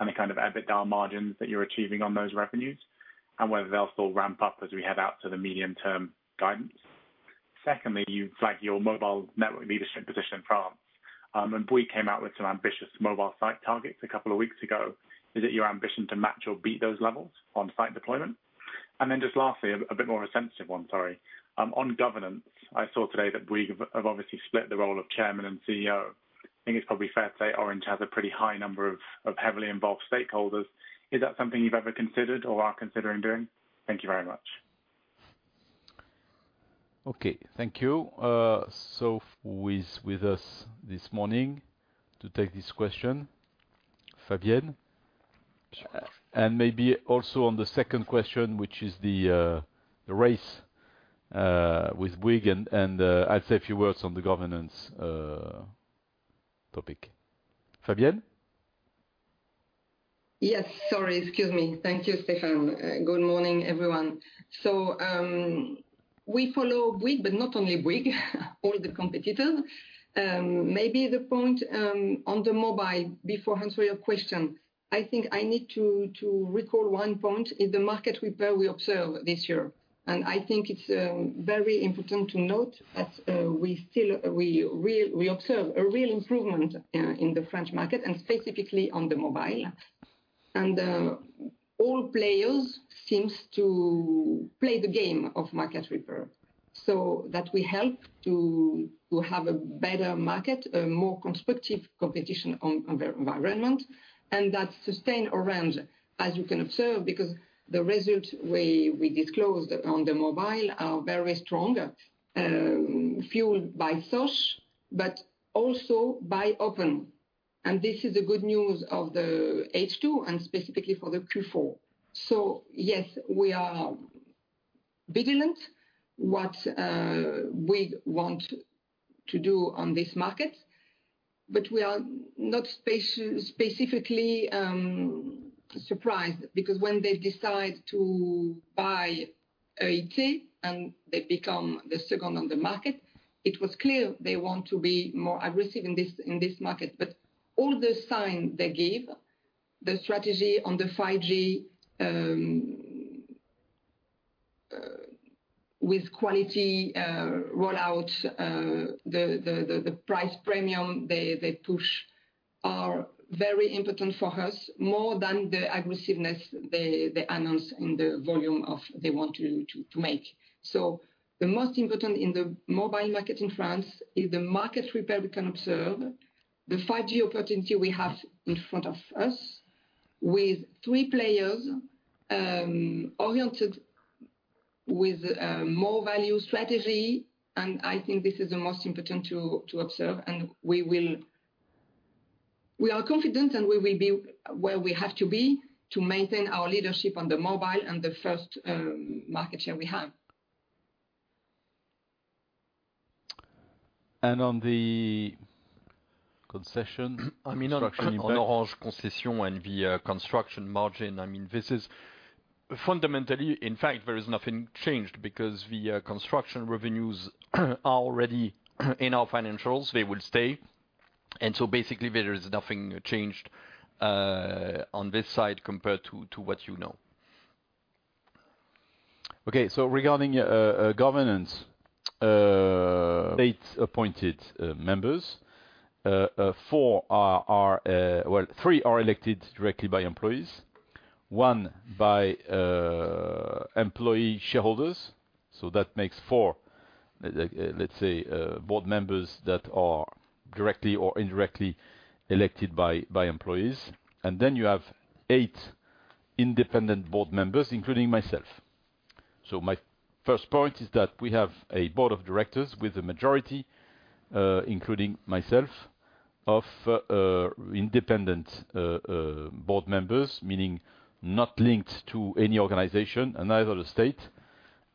and the kind of EBITDA margins that you're achieving on those revenues, and whether they'll still ramp up as we head out to the medium-term guidance? Secondly, you flagged your mobile network leadership position in France. Bouygues came out with some ambitious mobile site targets a couple of weeks ago. Is it your ambition to match or beat those levels on site deployment? Lastly, a bit more of a sensitive one, sorry. On governance, I saw today that Bouygues have obviously split the role of Chairman and CEO. I think it's probably fair to say Orange has a pretty high number of heavily involved stakeholders. Is that something you've ever considered or are considering doing? Thank you very much. Thank you. With us this morning to take this question, Fabienne. Maybe also on the second question, which is the race with Bouygues, and I'll say a few words on the governance topic. Fabienne? Yes. Sorry. Excuse me. Thank you, Stéphane. Good morning, everyone. We follow Bouygues, but not only Bouygues, all the competitors. Maybe the point on the mobile, before answering your question, I think I need to recall one point in the market repair we observed this year. I think it's very important to note that we observe a real improvement in the French market, specifically on the mobile. All players seem to play the game of market repair so that we help to have a better market, a more constructive competition environment, and that sustain Orange, as you can observe, because the results we disclosed on the mobile are very strong, fueled by SOSH, but also by Open. This is the good news of the H2 and specifically for the Q4. Yes, we are vigilant what we want to do on this market, but we are not specifically surprised because when they decide to buy ET and they become the second on the market, it was clear they want to be more aggressive in this market. All the signs they give, the strategy on the 5G with quality rollout, the price premium they push are very important for us, more than the aggressiveness they announced in the volume they want to make. The most important in the mobile market in France is the market repair we can observe, the 5G opportunity we have in front of us with three players oriented with more value strategy. I think this is the most important to observe. We are confident and we will be where we have to be to maintain our leadership on the mobile and the first market share we have. On the concession construction, I mean, on Orange concession and the construction margin, I mean, this is fundamentally, in fact, there is nothing changed because the construction revenues are already in our financials. They will stay. Basically, there is nothing changed on this side compared to what you know. Okay. Regarding governance, eight appointed members. Four are, well, three are elected directly by employees, one by employee shareholders. That makes four, let's say, board members that are directly or indirectly elected by employees. Then you have eight independent board members, including myself. My first point is that we have a board of directors with a majority, including myself, of independent board members, meaning not linked to any organization, neither the state,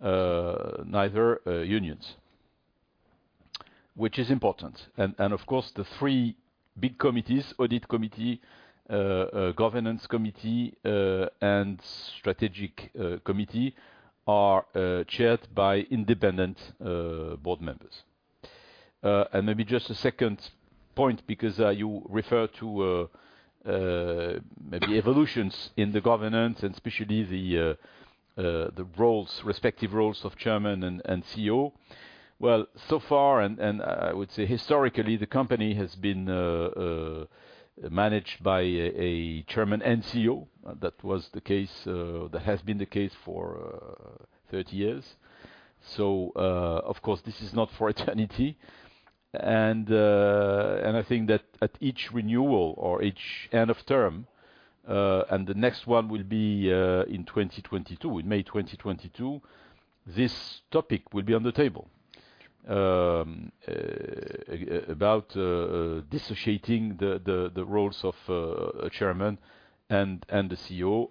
neither unions, which is important. Of course, the three big committees, audit committee, governance committee, and strategic committee, are chaired by independent board members. Maybe just a second point because you refer to maybe evolutions in the governance and especially the roles, respective roles of chairman and CEO. So far, and I would say historically, the company has been managed by a chairman and CEO. That was the case that has been the case for 30 years. Of course, this is not for eternity. I think that at each renewal or each end of term, and the next one will be in 2022, in May 2022, this topic will be on the table about dissociating the roles of chairman and the CEO.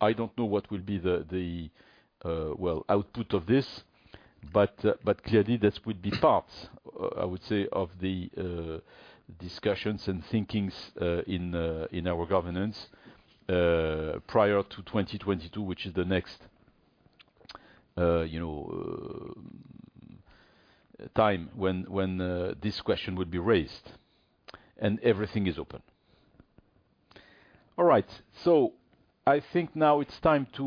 I do not know what will be the, well, output of this, but clearly, this would be part, I would say, of the discussions and thinkings in our governance prior to 2022, which is the next time when this question would be raised. Everything is open. All right. I think now it is time to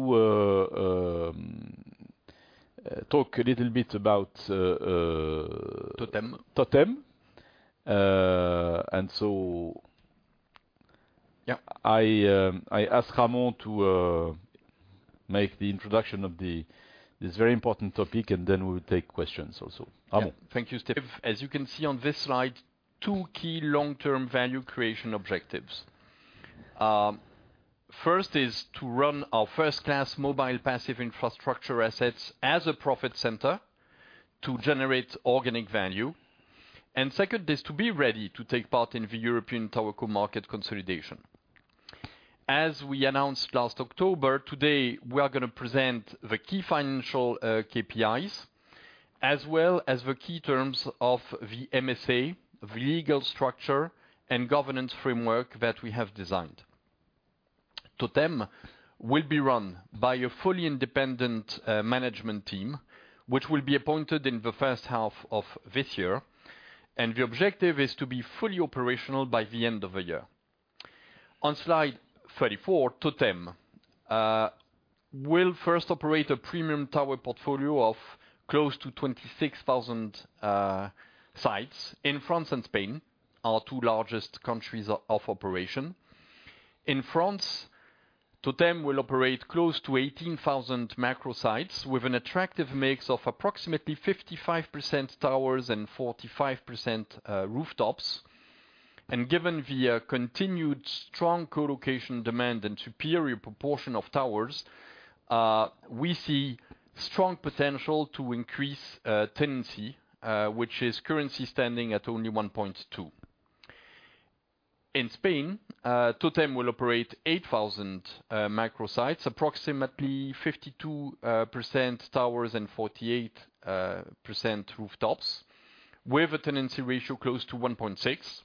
talk a little bit about Totem. Totem. I ask Ramon to make the introduction of this very important topic, and then we will take questions also. Ramon. Thank you, Stéphane. As you can see on this slide, two key long-term value creation objectives. First is to run our first-class mobile passive infrastructure assets as a profit center to generate organic value. Second is to be ready to take part in the European TowerCo market consolidation. As we announced last October, today, we are going to present the key financial KPIs as well as the key terms of the MSA, the legal structure, and governance framework that we have designed. Totem will be run by a fully independent management team, which will be appointed in the first half of this year. The objective is to be fully operational by the end of the year. On slide 34, Totem will first operate a premium tower portfolio of close to 26,000 sites in France and Spain, our two largest countries of operation. In France, Totem will operate close to 18,000 macro sites with an attractive mix of approximately 55% towers and 45% rooftops. Given the continued strong co-location demand and superior proportion of towers, we see strong potential to increase tenancy, which is currently standing at only 1.2. In Spain, Totem will operate 8,000 macro sites, approximately 52% towers and 48% rooftops, with a tenancy ratio close to 1.6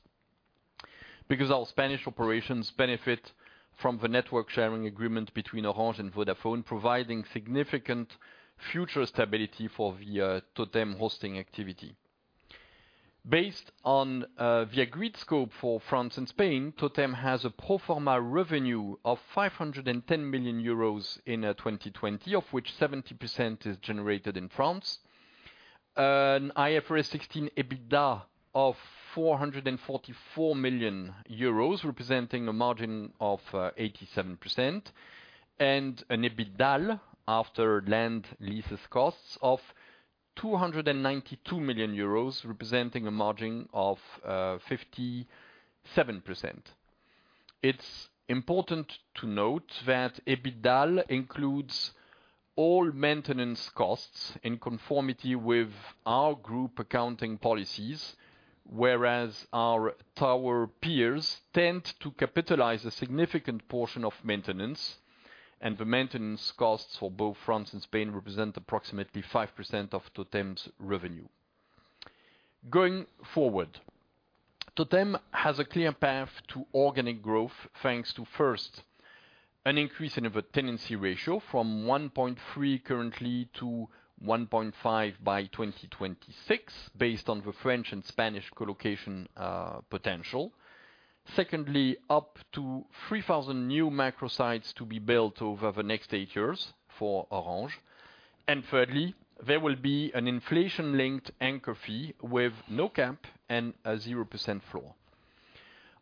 because our Spanish operations benefit from the network sharing agreement between Orange and Vodafone, providing significant future stability for the Totem hosting activity. Based on the agreed scope for France and Spain, Totem has a pro forma revenue of 510 million euros in 2020, of which 70% is generated in France, an IFRS 16 EBITDA of 444 million euros, representing a margin of 87%, and an EBITDAL after land lease costs of 292 million euros, representing a margin of 57%. It's important to note that EBITDAL includes all maintenance costs in conformity with our group accounting policies, whereas our tower peers tend to capitalize a significant portion of maintenance. The maintenance costs for both France and Spain represent approximately 5% of Totem's revenue. Going forward, Totem has a clear path to organic growth thanks to, first, an increase in the tenancy ratio from 1.3 currently to 1.5 by 2026, based on the French and Spanish co-location potential. Secondly, up to 3,000 new macro sites to be built over the next eight years for Orange. Thirdly, there will be an inflation-linked anchor fee with no cap and a 0% floor.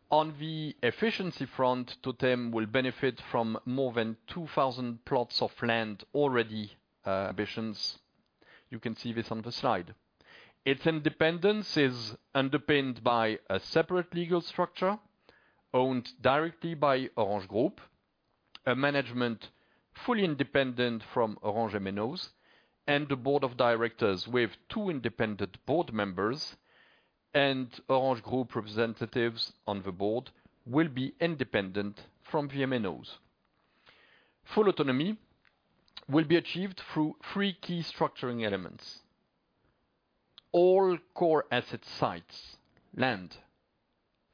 On the efficiency front, Totem will benefit from more than 2,000 plots of land already. Ambitions. You can see this on the slide. Its independence is underpinned by a separate legal structure owned directly by Orange Group, a management fully independent from Orange MNOs, and a board of directors with two independent board members. Orange Group representatives on the board will be independent from VMNOs. Full autonomy will be achieved through three key structuring elements. All core asset sites, land,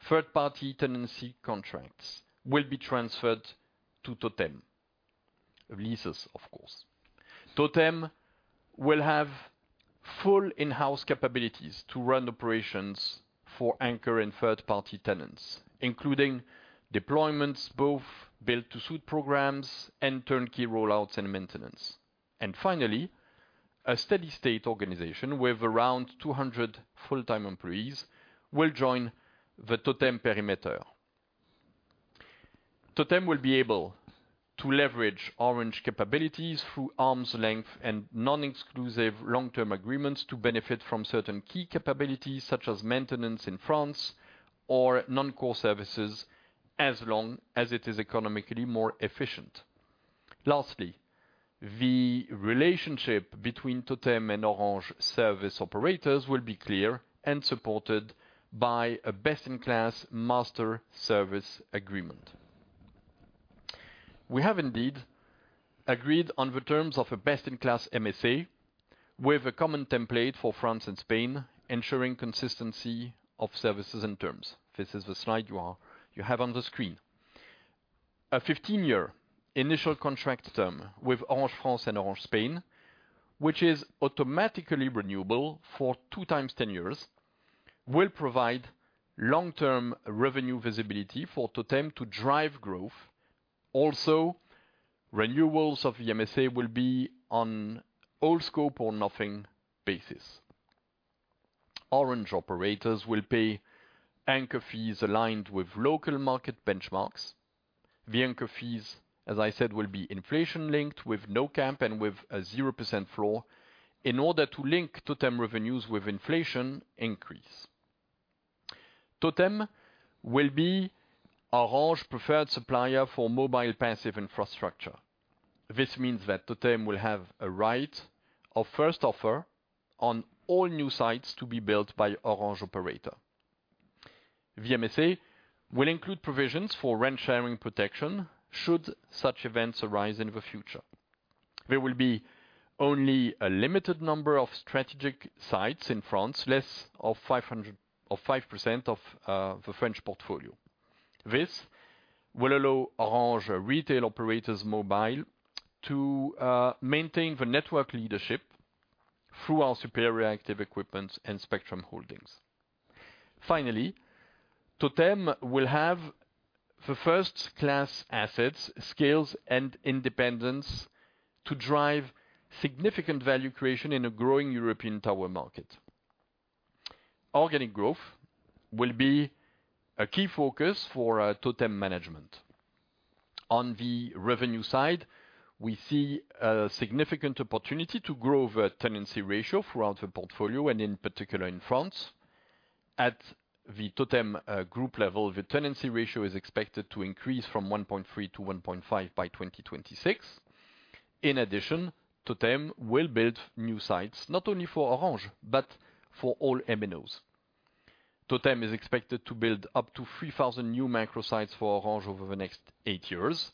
third-party tenancy contracts will be transferred to Totem leases, of course. Totem will have full in-house capabilities to run operations for anchor and third-party tenants, including deployments, both build-to-suit programs and turnkey rollouts and maintenance. Finally, a steady-state organization with around 200 full-time employees will join the Totem perimeter. Totem will be able to leverage Orange capabilities through arm's length and non-exclusive long-term agreements to benefit from certain key capabilities, such as maintenance in France or non-core services, as long as it is economically more efficient. Lastly, the relationship between Totem and Orange service operators will be clear and supported by a best-in-class master service agreement. We have indeed agreed on the terms of a best-in-class MSA with a common template for France and Spain, ensuring consistency of services and terms. This is the slide you have on the screen. A 15-year initial contract term with Orange France and Orange Spain, which is automatically renewable for two times 10 years, will provide long-term revenue visibility for Totem to drive growth. Also, renewals of the MSA will be on whole scope or nothing basis. Orange operators will pay anchor fees aligned with local market benchmarks. The anchor fees, as I said, will be inflation-linked with no cap and with a 0% floor in order to link Totem revenues with inflation increase. Totem will be Orange's preferred supplier for mobile passive infrastructure. This means that Totem will have a right of first offer on all new sites to be built by Orange operator. The MSA will include provisions for rent-sharing protection should such events arise in the future. There will be only a limited number of strategic sites in France, less than 5% of the French portfolio. This will allow Orange retail operators mobile to maintain the network leadership through our superior active equipment and spectrum holdings. Finally, Totem will have the first-class assets, skills, and independence to drive significant value creation in a growing European tower market. Organic growth will be a key focus for Totem management. On the revenue side, we see a significant opportunity to grow the tenancy ratio throughout the portfolio, and in particular in France. At the Totem group level, the tenancy ratio is expected to increase from 1.3 to 1.5 by 2026. In addition, Totem will build new sites not only for Orange, but for all MNOs. Totem is expected to build up to 3,000 new macro sites for Orange over the next eight years.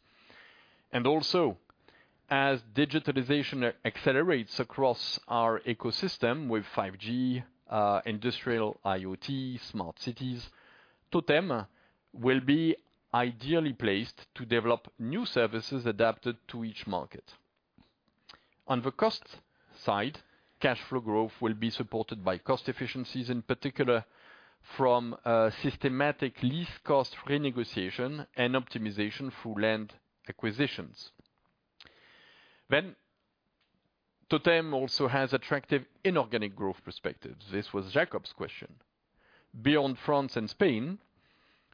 Also, as digitalization accelerates across our ecosystem with 5G, industrial IoT, smart cities, Totem will be ideally placed to develop new services adapted to each market. On the cost side, cash flow growth will be supported by cost efficiencies, in particular from systematic lease cost renegotiation and optimization through land acquisitions. Totem also has attractive inorganic growth perspectives. This was Jakob's question. Beyond France and Spain,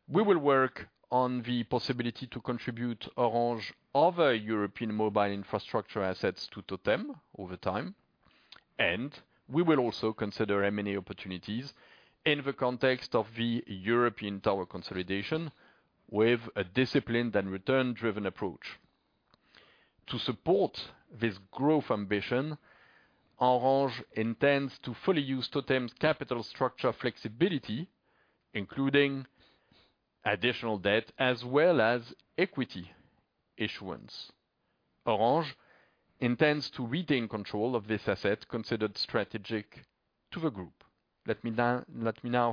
we will work on the possibility to contribute Orange's other European mobile infrastructure assets to Totem over time. We will also consider M&A opportunities in the context of the European tower consolidation with a disciplined and return-driven approach. To support this growth ambition, Orange intends to fully use Totem's capital structure flexibility, including additional debt as well as equity issuance. Orange intends to retain control of this asset considered strategic to the group. Let me now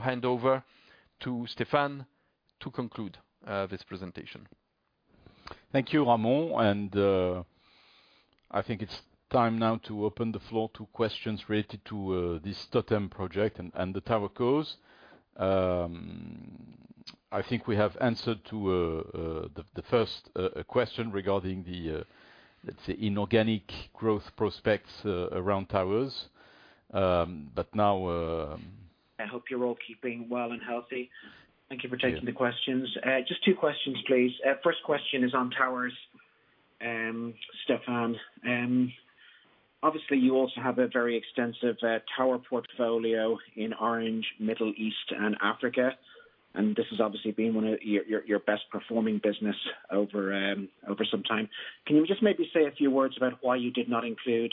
hand over to Stéphane to conclude this presentation. Thank you, Ramon. I think it's time now to open the floor to questions related to this Totem project and the tower cause. I think we have answered to the first question regarding the, let's say, inorganic growth prospects around towers. Now, I hope you're all keeping well and healthy. Thank you for taking the questions. Just two questions, please. First question is on towers, Stéphane. Obviously, you also have a very extensive tower portfolio in Orange, Middle East, and Africa. This has obviously been one of your best-performing businesses over some time. Can you just maybe say a few words about why you did not include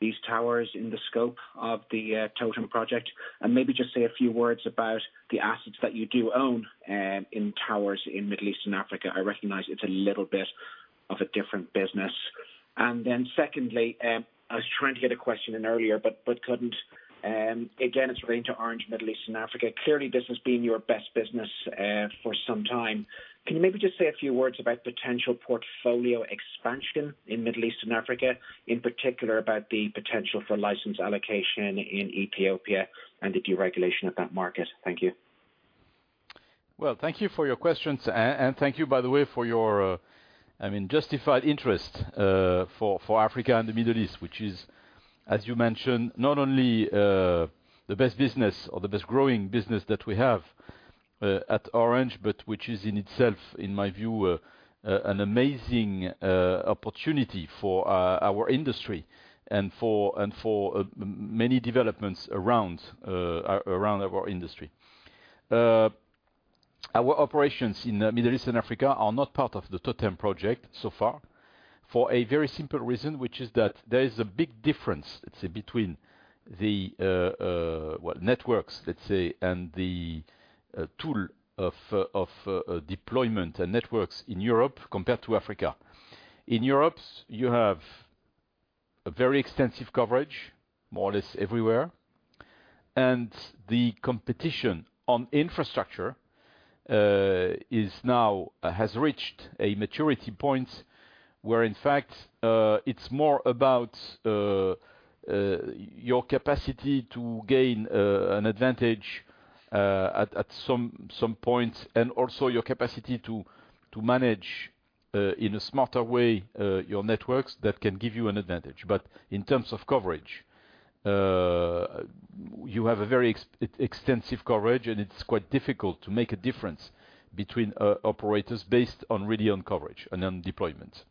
these towers in the scope of the Totem project? Maybe just say a few words about the assets that you do own in towers in Middle East and Africa. I recognize it's a little bit of a different business. Secondly, I was trying to get a question in earlier, but could not. Again, it is relating to Orange, Middle East, and Africa. Clearly, this has been your best business for some time. Can you maybe just say a few words about potential portfolio expansion in Middle East and Africa, in particular about the potential for license allocation in Ethiopia and the deregulation of that market? Thank you. Thank you for your questions. Thank you, by the way, for your, I mean, justified interest for Africa and the Middle East, which is, as you mentioned, not only the best business or the best-growing business that we have at Orange, but which is in itself, in my view, an amazing opportunity for our industry and for many developments around our industry. Our operations in Middle East and Africa are not part of the Totem project so far for a very simple reason, which is that there is a big difference, let's say, between the networks, let's say, and the tool of deployment and networks in Europe compared to Africa. In Europe, you have very extensive coverage, more or less everywhere. The competition on infrastructure has reached a maturity point where, in fact, it's more about your capacity to gain an advantage at some point and also your capacity to manage in a smarter way your networks that can give you an advantage. In terms of coverage, you have a very extensive coverage, and it's quite difficult to make a difference between operators really on coverage and on deployment.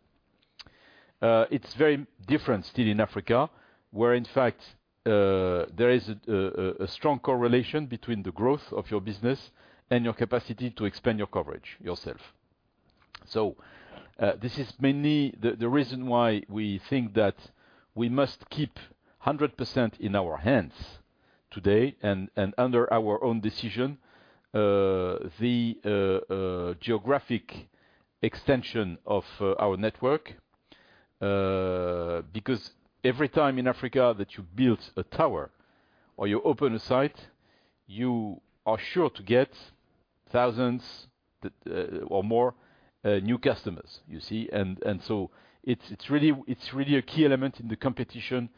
It's very different still in Africa, where, in fact, there is a strong correlation between the growth of your business and your capacity to expand your coverage yourself. This is mainly the reason why we think that we must keep 100% in our hands today and under our own decision the geographic extension of our network, because every time in Africa that you build a tower or you open a site, you are sure to get thousands or more new customers, you see. It is really a key element in the competition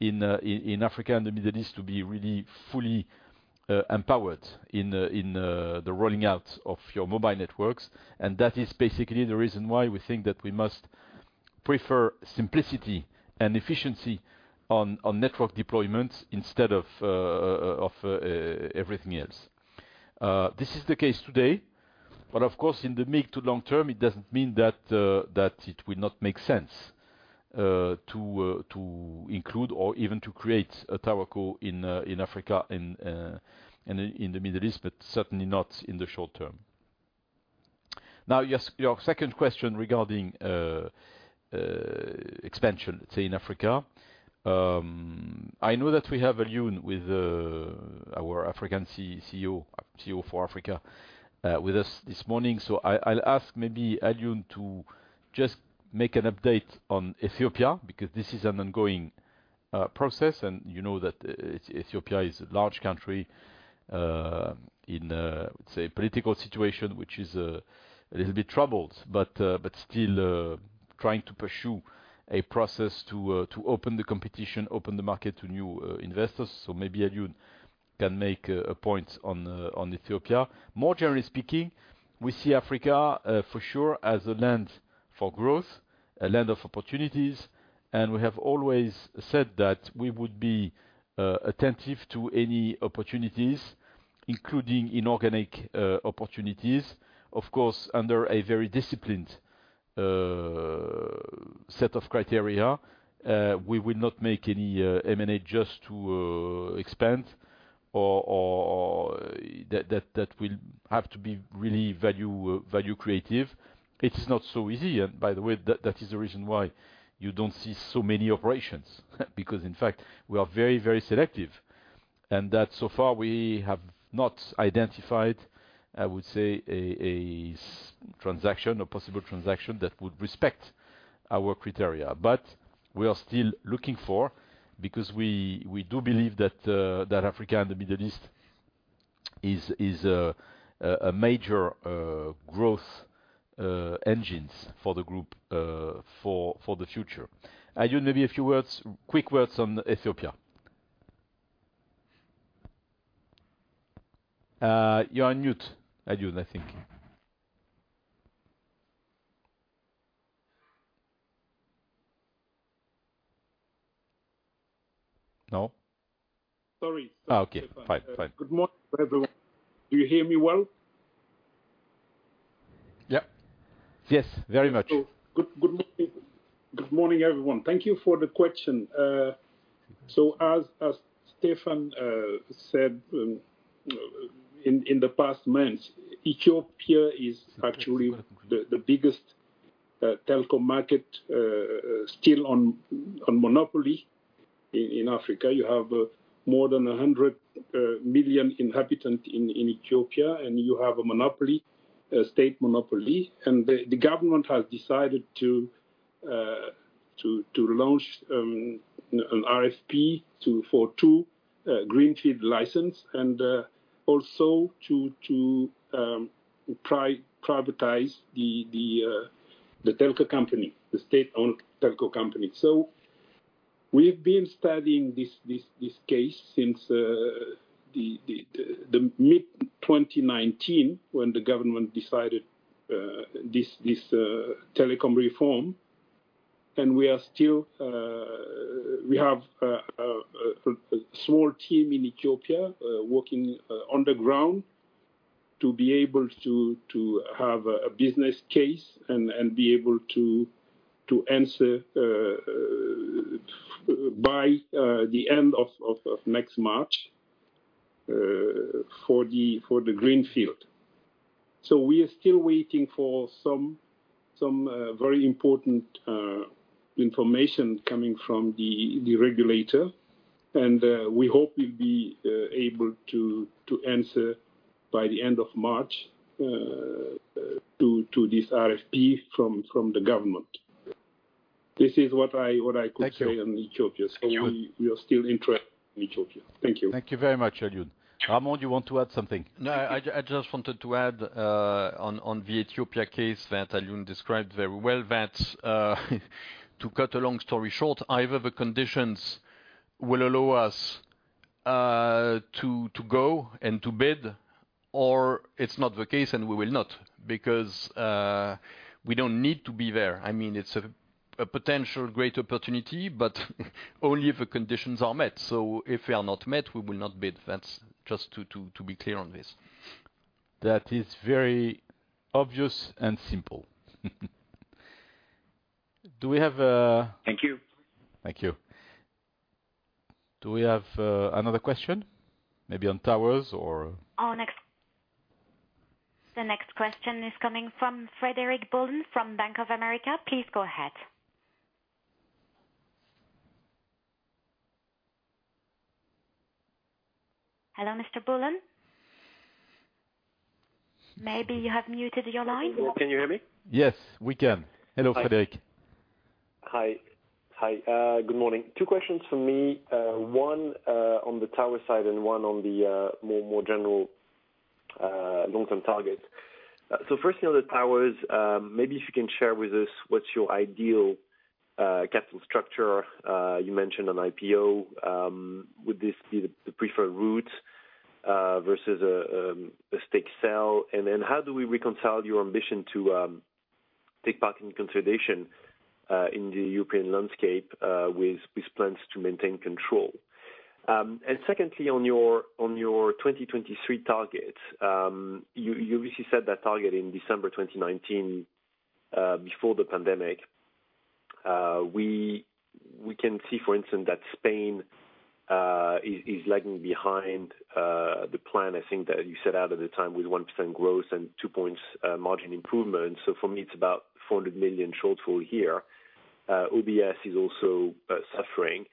in Africa and the Middle East to be really fully empowered in the rolling out of your mobile networks. That is basically the reason why we think that we must prefer simplicity and efficiency on network deployments instead of everything else. This is the case today. Of course, in the mid to long term, it does not mean that it will not make sense to include or even to create a TowerCo in Africa and in the Middle East, but certainly not in the short term. Now, your second question regarding expansion, let's say, in Africa, I know that we have Alioune with our African CEO, CEO for Africa, with us this morning. I will ask maybe Alioune to just make an update on Ethiopia, because this is an ongoing process. You know that Ethiopia is a large country in, let's say, a political situation, which is a little bit troubled, but still trying to pursue a process to open the competition, open the market to new investors. Maybe Alioune can make a point on Ethiopia. More generally speaking, we see Africa, for sure, as a land for growth, a land of opportunities. We have always said that we would be attentive to any opportunities, including inorganic opportunities. Of course, under a very disciplined set of criteria, we will not make any M&A just to expand or that will have to be really value-creative. It is not so easy. By the way, that is the reason why you do not see so many operations, because, in fact, we are very, very selective. So far, we have not identified, I would say, a transaction or possible transaction that would respect our criteria. We are still looking for, because we do believe that Africa and the Middle East is a major growth engine for the group for the future. Alioune, maybe a few quick words on Ethiopia. You are on mute, Alioune, I think. No? Sorry. Okay. Fine. Fine. Good morning, everyone. Do you hear me well? Yep. Yes, very much. Good morning, everyone. Thank you for the question. As Stéphane said in the past months, Ethiopia is actually the biggest telco market still on monopoly in Africa. You have more than 100 million inhabitants in Ethiopia, and you have a monopoly, a state monopoly. The government has decided to launch an RFP for two greenfield licenses and also to privatize the telco company, the state-owned telco company. We have been studying this case since mid-2019 when the government decided this telecom reform. We have a small team in Ethiopia working on the ground to be able to have a business case and be able to answer by the end of next March for the greenfield. We are still waiting for some very important information coming from the regulator. We hope we'll be able to answer by the end of March to this RFP from the government. This is what I could say on Ethiopia. We are still interested in Ethiopia. Thank you. Thank you very much, Alioune. Ramon, you want to add something? No, I just wanted to add on the Ethiopia case that Alioune described very well that, to cut a long story short, either the conditions will allow us to go and to bid, or it's not the case and we will not, because we don't need to be there. I mean, it's a potential great opportunity, but only if the conditions are met. If they are not met, we will not bid. That's just to be clear on this. That is very obvious and simple. Thank you. Thank you. Do we have another question? Maybe on towers or? Oh, next. The next question is coming from Frederick Bullen from Bank of America. Please go ahead. Hello, Mr. Bullen? Maybe you have muted your line. Can you hear me? Yes, we can. Hello, Frederick. Hi. Hi. Good morning. Two questions for me. One on the tower side and one on the more general long-term target. First, on the towers, maybe if you can share with us what's your ideal capital structure. You mentioned an IPO. Would this be the preferred route versus a stake sale? How do we reconcile your ambition to take part in consolidation in the European landscape with plans to maintain control? Secondly, on your 2023 targets, you obviously set that target in December 2019 before the pandemic. We can see, for instance, that Spain is lagging behind the plan, I think, that you set out at the time with 1% growth and 2 percentage points margin improvement. For me, it's about €400 million shortfall here. OBS is also suffering.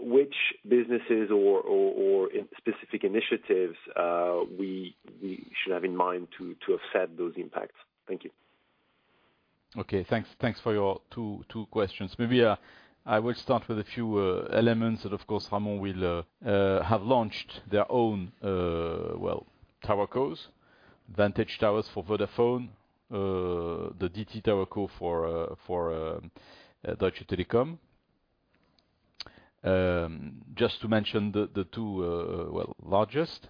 Which businesses or specific initiatives should have in mind to offset those impacts? Thank you. Okay. Thanks for your two questions. Maybe I will start with a few elements that, of course, Ramon will. Have launched their own, well, towercos, Vantage Towers for Vodafone, the DT TowerCo for Deutsche Telekom. Just to mention the two largest.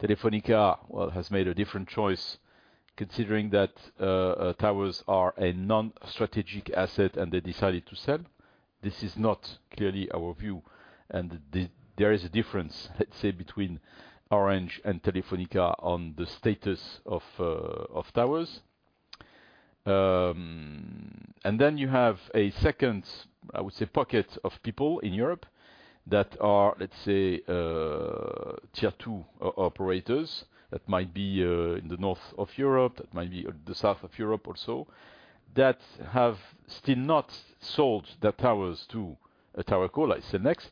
Telefónica has made a different choice considering that towers are a non-strategic asset and they decided to sell. This is not clearly our view. There is a difference, let's say, between Orange and Telefónica on the status of towers. You have a second, I would say, pocket of people in Europe that are, let's say, tier two operators that might be in the north of Europe, that might be the south of Europe also, that have still not sold their towers to a TowerCo like Cellnex,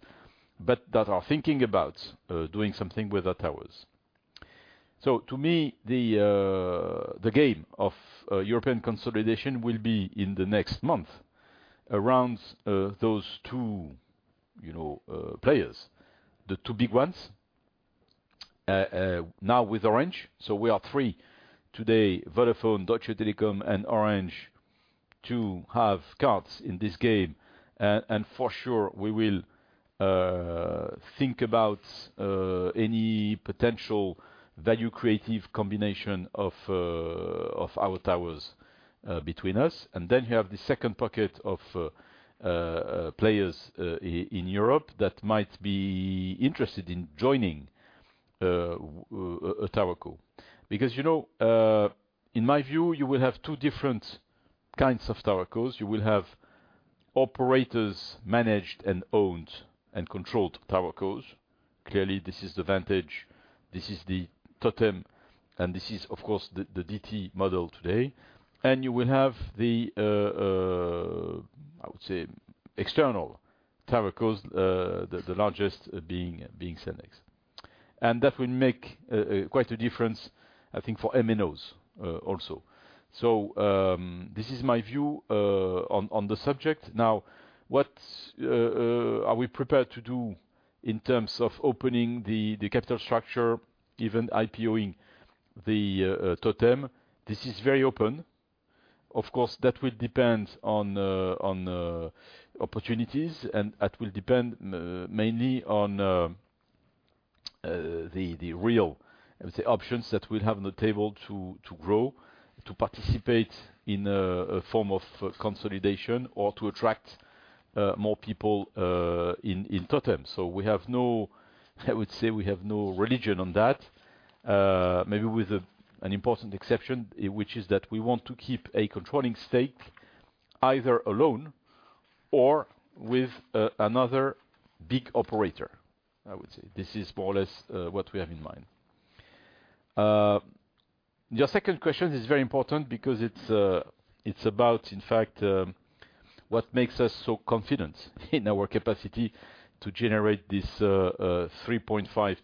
but that are thinking about doing something with their towers. To me, the game of European consolidation will be in the next month around those two players, the two big ones, now with Orange. We are three today: Vodafone, Deutsche Telekom, and Orange to have cards in this game. For sure, we will think about any potential value-creative combination of our towers between us. You have the second pocket of players in Europe that might be interested in joining a TowerCo. Because in my view, you will have two different kinds of TowerCos. You will have operators managed and owned and controlled towercos. Clearly, this is the Vantage. This is the Totem. This is, of course, the DT model today. You will have the, I would say, external towercos, the largest being Cellnex. That will make quite a difference, I think, for MNOs also. This is my view on the subject. Now, what are we prepared to do in terms of opening the capital structure, even IPOing the Totem? This is very open. Of course, that will depend on opportunities, and that will depend mainly on the real, I would say, options that we'll have on the table to grow, to participate in a form of consolidation, or to attract more people in Totem. We have no—I would say we have no religion on that, maybe with an important exception, which is that we want to keep a controlling stake either alone or with another big operator, I would say. This is more or less what we have in mind. Your second question is very important because it's about, in fact, what makes us so confident in our capacity to generate this 3.5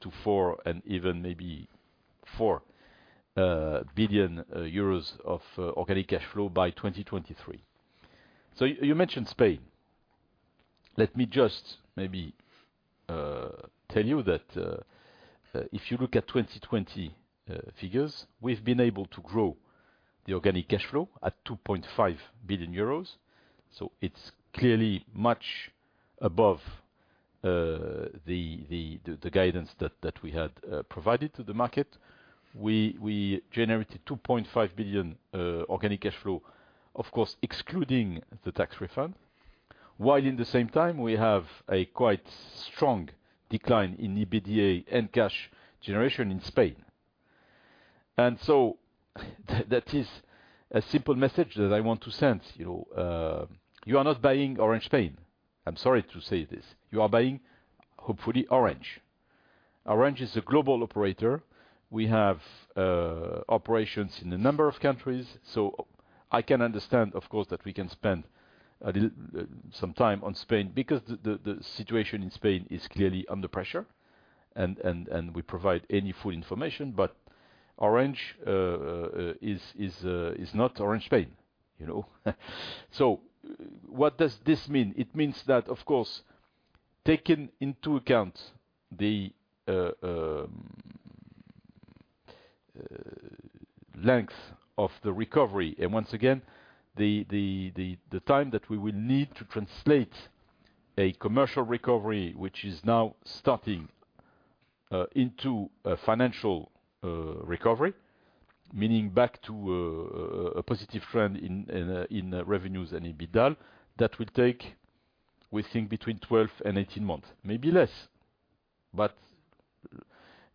billion-4 billion euros of organic cash flow by 2023. You mentioned Spain. Let me just maybe tell you that if you look at 2020 figures, we've been able to grow the organic cash flow at 2.5 billion euros. It's clearly much above the guidance that we had provided to the market. We generated €2.5 billion organic cash flow, of course, excluding the tax refund, while at the same time, we have a quite strong decline in EBITDA and cash generation in Spain. That is a simple message that I want to send. You are not buying Orange Spain. I'm sorry to say this. You are buying, hopefully, Orange. Orange is a global operator. We have operations in a number of countries. I can understand, of course, that we can spend some time on Spain because the situation in Spain is clearly under pressure, and we provide any full information. Orange is not Orange Spain. What does this mean? It means that, of course, taking into account the length of the recovery, and once again, the time that we will need to translate a commercial recovery, which is now starting into a financial recovery, meaning back to a positive trend in revenues and EBITDA, that will take, we think, between 12 and 18 months, maybe less.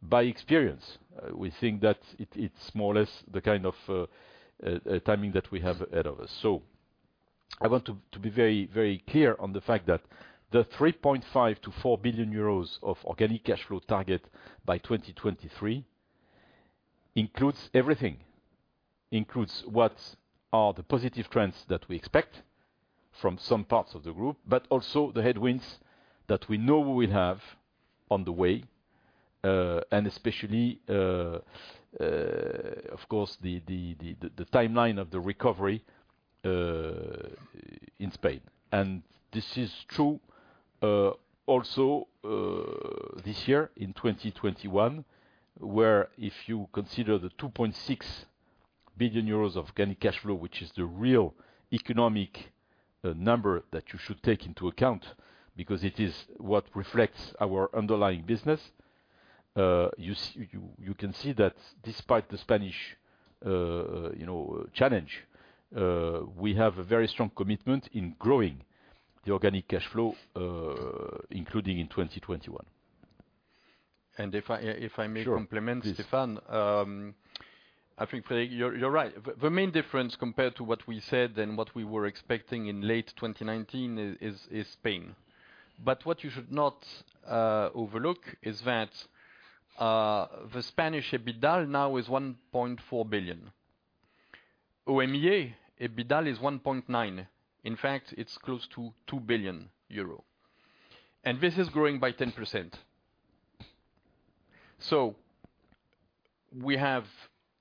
By experience, we think that it is more or less the kind of timing that we have ahead of us. I want to be very, very clear on the fact that the 3.5 billion-4 billion euros of organic cash flow target by 2023 includes everything, includes what are the positive trends that we expect from some parts of the group, but also the headwinds that we know we will have on the way, and especially, of course, the timeline of the recovery in Spain. This is true also this year in 2021, where if you consider the 2.6 billion euros of organic cash flow, which is the real economic number that you should take into account because it is what reflects our underlying business, you can see that despite the Spanish challenge, we have a very strong commitment in growing the organic cash flow, including in 2021. If I may complement, Stéphane, I think, Frederick, you are right. The main difference compared to what we said and what we were expecting in late 2019 is Spain. What you should not overlook is that the Spanish EBITDA now is 1.4 billion. OMEA EBITDA is 1.9 billion. In fact, it is close to 2 billion euro. This is growing by 10%. We have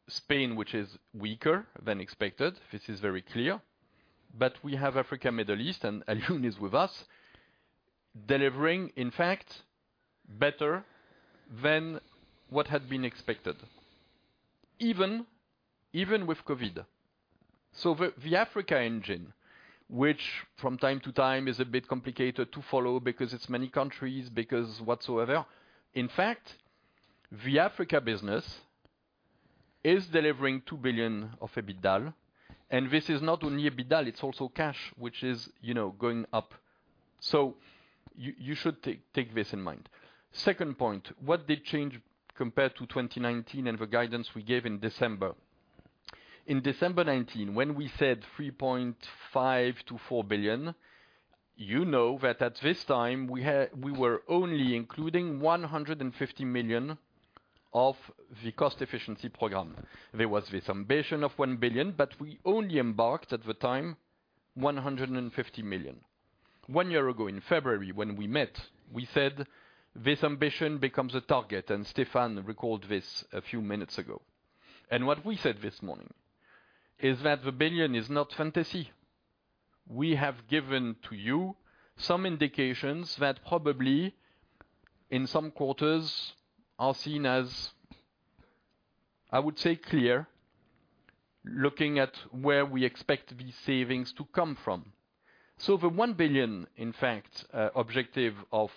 Spain, which is weaker than expected. This is very clear. We have Africa and the Middle East, and Alioune is with us, delivering, in fact, better than what had been expected, even with COVID. The Africa engine, which from time to time is a bit complicated to follow because it's many countries, because whatsoever, in fact, the Africa business is delivering 2 billion of EBITDA. This is not only EBITDA. It's also cash, which is going up. You should take this in mind. Second point, what did change compared to 2019 and the guidance we gave in December? In December 2019, when we said 3.5 billion-4 billion, you know that at this time, we were only including 150 million of the cost efficiency program. There was this ambition of 1 billion, but we only embarked at the time 150 million. One year ago, in February, when we met, we said this ambition becomes a target. Stéphane recalled this a few minutes ago. What we said this morning is that the billion is not fantasy. We have given to you some indications that probably in some quarters are seen as, I would say, clear, looking at where we expect these savings to come from. The 1 billion, in fact, objective of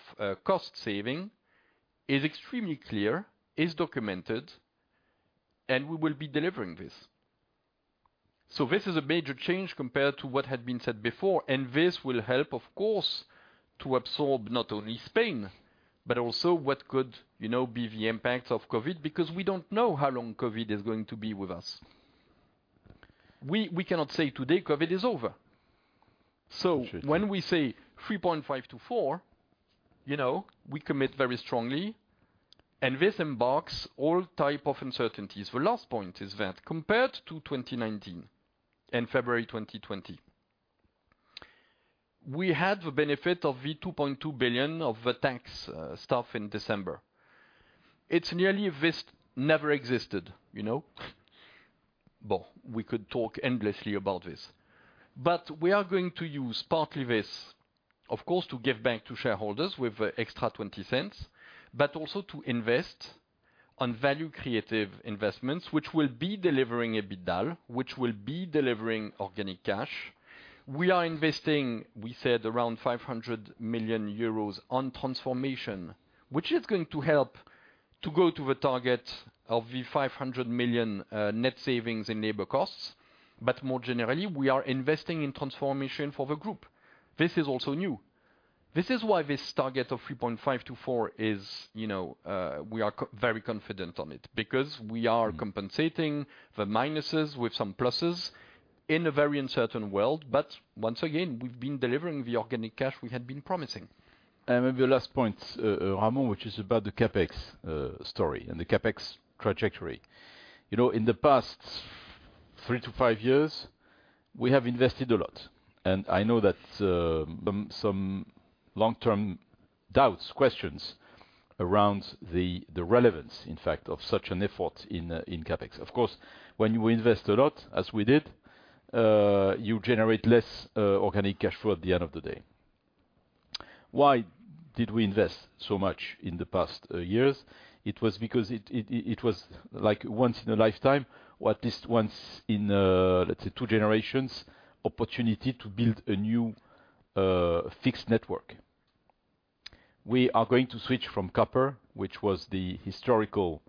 cost saving is extremely clear, is documented, and we will be delivering this. This is a major change compared to what had been said before. This will help, of course, to absorb not only Spain, but also what could be the impact of COVID because we do not know how long COVID is going to be with us. We cannot say today COVID is over. When we say 3.5 billion-4 billion, we commit very strongly. This embarks all types of uncertainties. The last point is that compared to 2019 and February 2020, we had the benefit of the 2.2 billion of the tax stuff in December. It is nearly as if this never existed. We could talk endlessly about this. We are going to use partly this, of course, to give back to shareholders with extra 0.20, but also to invest on value-creative investments, which will be delivering EBITDA, which will be delivering organic cash. We are investing, we said, around 500 million euros on transformation, which is going to help to go to the target of the 500 million net savings in labor costs. More generally, we are investing in transformation for the group. This is also new. This is why this target of 3.5 billion-4 billion is we are very confident on it because we are compensating the minuses with some pluses in a very uncertain world. Once again, we've been delivering the organic cash we had been promising. Maybe the last point, Ramon, which is about the CapEx story and the CapEx trajectory. In the past three to five years, we have invested a lot. I know that some long-term doubts, questions around the relevance, in fact, of such an effort in CapEx. Of course, when you invest a lot, as we did, you generate less organic cash flow at the end of the day. Why did we invest so much in the past years? It was because it was like once in a lifetime or at least once in, let's say, two generations, opportunity to build a new fixed network. We are going to switch from copper, which was the historical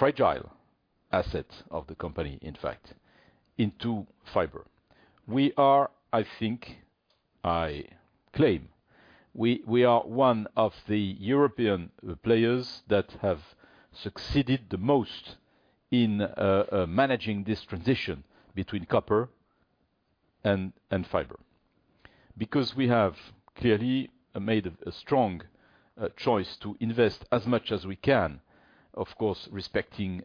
fragile asset of the company, in fact, into fiber. We are, I think, I claim, we are one of the European players that have succeeded the most in managing this transition between copper and fiber because we have clearly made a strong choice to invest as much as we can, of course, respecting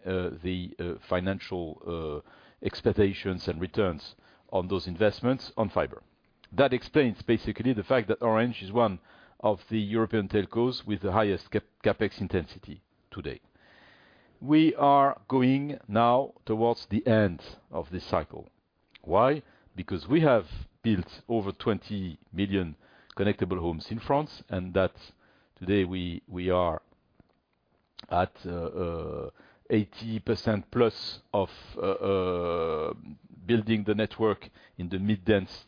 the financial expectations and returns on those investments on fiber. That explains basically the fact that Orange is one of the European telcos with the highest CapEx intensity today. We are going now towards the end of this cycle. Why? Because we have built over 20 million connectable homes in France. That today, we are at 80% plus of building the network in the mid-dense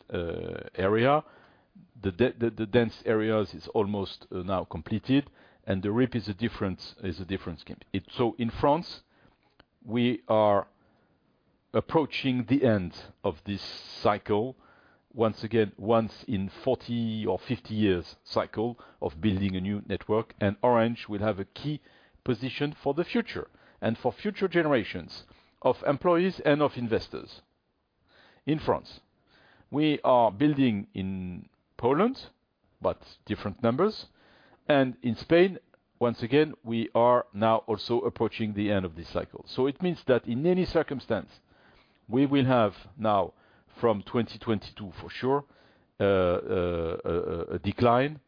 area. The dense area is almost now completed. The RIP is a different scheme. In France, we are approaching the end of this cycle, once again, once in 40 or 50 years cycle of building a new network. Orange will have a key position for the future and for future generations of employees and of investors in France. We are building in Poland, but different numbers. In Spain, once again, we are now also approaching the end of this cycle. It means that in any circumstance, we will have now, from 2022 for sure, a decline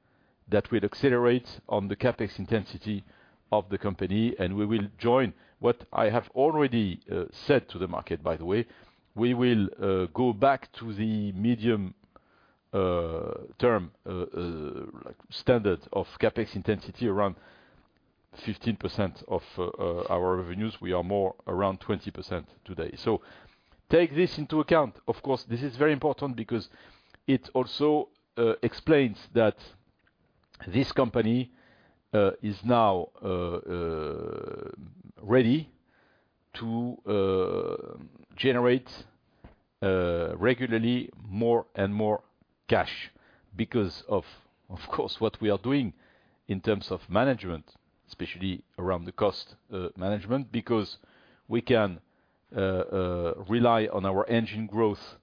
that will accelerate on the CapEx intensity of the company. We will join what I have already said to the market, by the way. We will go back to the medium-term standard of CapEx intensity around 15% of our revenues. We are more around 20% today. Take this into account. Of course, this is very important because it also explains that this company is now ready to generate regularly more and more cash because of, of course, what we are doing in terms of management, especially around the cost management, because we can rely on our engine growth,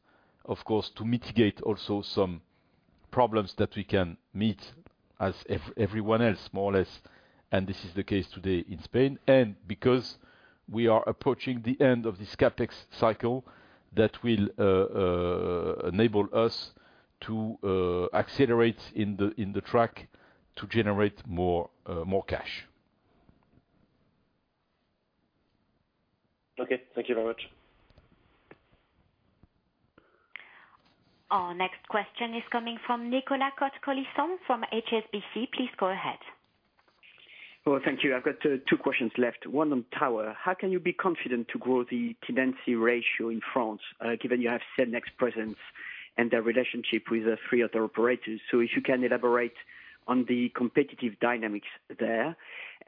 of course, to mitigate also some problems that we can meet as everyone else, more or less. This is the case today in Spain. Because we are approaching the end of this CapEx cycle that will enable us to accelerate in the track to generate more cash. Okay. Thank you very much. Our next question is coming from Nicolas Cote-Colisson from HSBC. Please go ahead. Thank you. I've got two questions left. One on power. How can you be confident to grow the tenancy ratio in France, given you have Cellnex presence and their relationship with three other operators? If you can elaborate on the competitive dynamics there.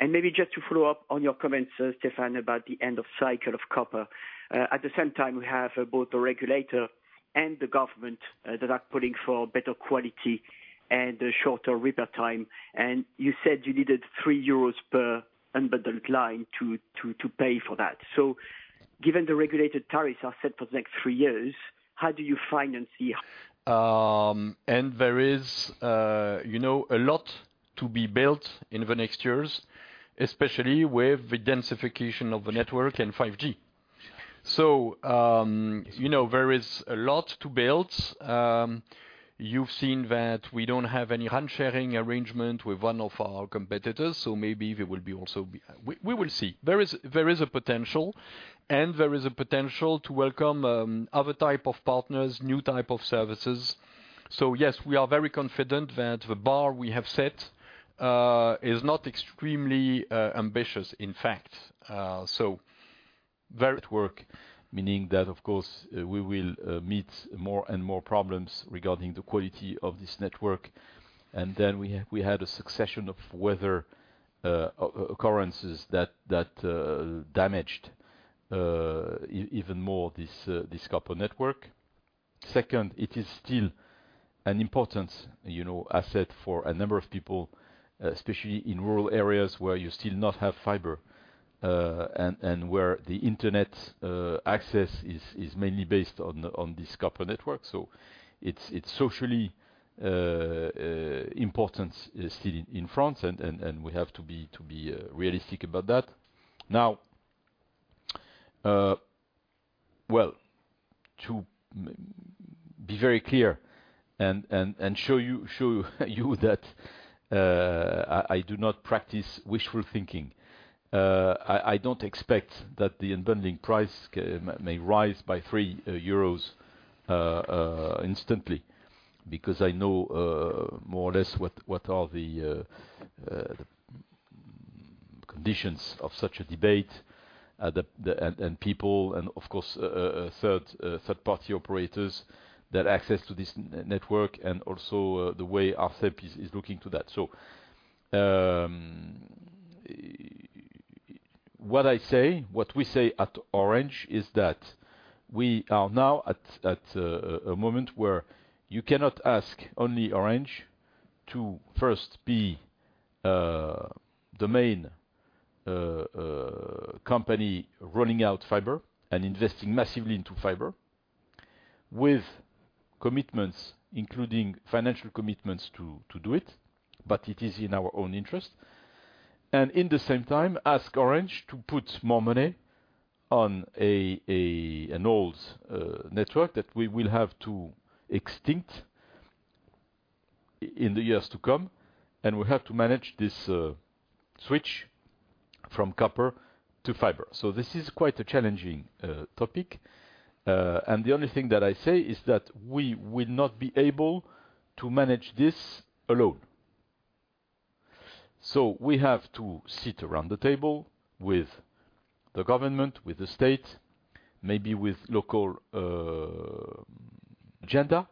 Maybe just to follow up on your comments, Stéphane, about the end of cycle of copper. At the same time, we have both the regulator and the government that are pulling for better quality and shorter repair time. You said you needed 3 euros per unbundled line to pay for that. Given the regulated tariffs are set for the next three years, how do you finance that? There is a lot to be built in the next years, especially with the densification of the network and 5G. There is a lot to build. You've seen that we do not have any hand-sharing arrangement with one of our competitors. Maybe there will be also, we will see. There is a potential, and there is a potential to welcome other types of partners, new types of services. Yes, we are very confident that the bar we have set is not extremely ambitious, in fact. Very network, meaning that, of course, we will meet more and more problems regarding the quality of this network. We had a succession of weather occurrences that damaged even more this copper network. Second, it is still an important asset for a number of people, especially in rural areas where you still do not have fiber and where the internet access is mainly based on this copper network. It is socially important still in France, and we have to be realistic about that. Now, to be very clear and show you that I do not practice wishful thinking, I don't expect that the unbundling price may rise by 3 euros instantly because I know more or less what are the conditions of such a debate and people, and of course, third-party operators that access to this network and also the way ARCEP is looking to that. What I say, what we say at Orange is that we are now at a moment where you cannot ask only Orange to first be the main company rolling out fiber and investing massively into fiber with commitments, including financial commitments to do it, but it is in our own interest. In the same time, ask Orange to put more money on an old network that we will have to extinct in the years to come. We have to manage this switch from copper to fiber. This is quite a challenging topic. The only thing that I say is that we will not be able to manage this alone. We have to sit around the table with the government, with the state, maybe with local agenda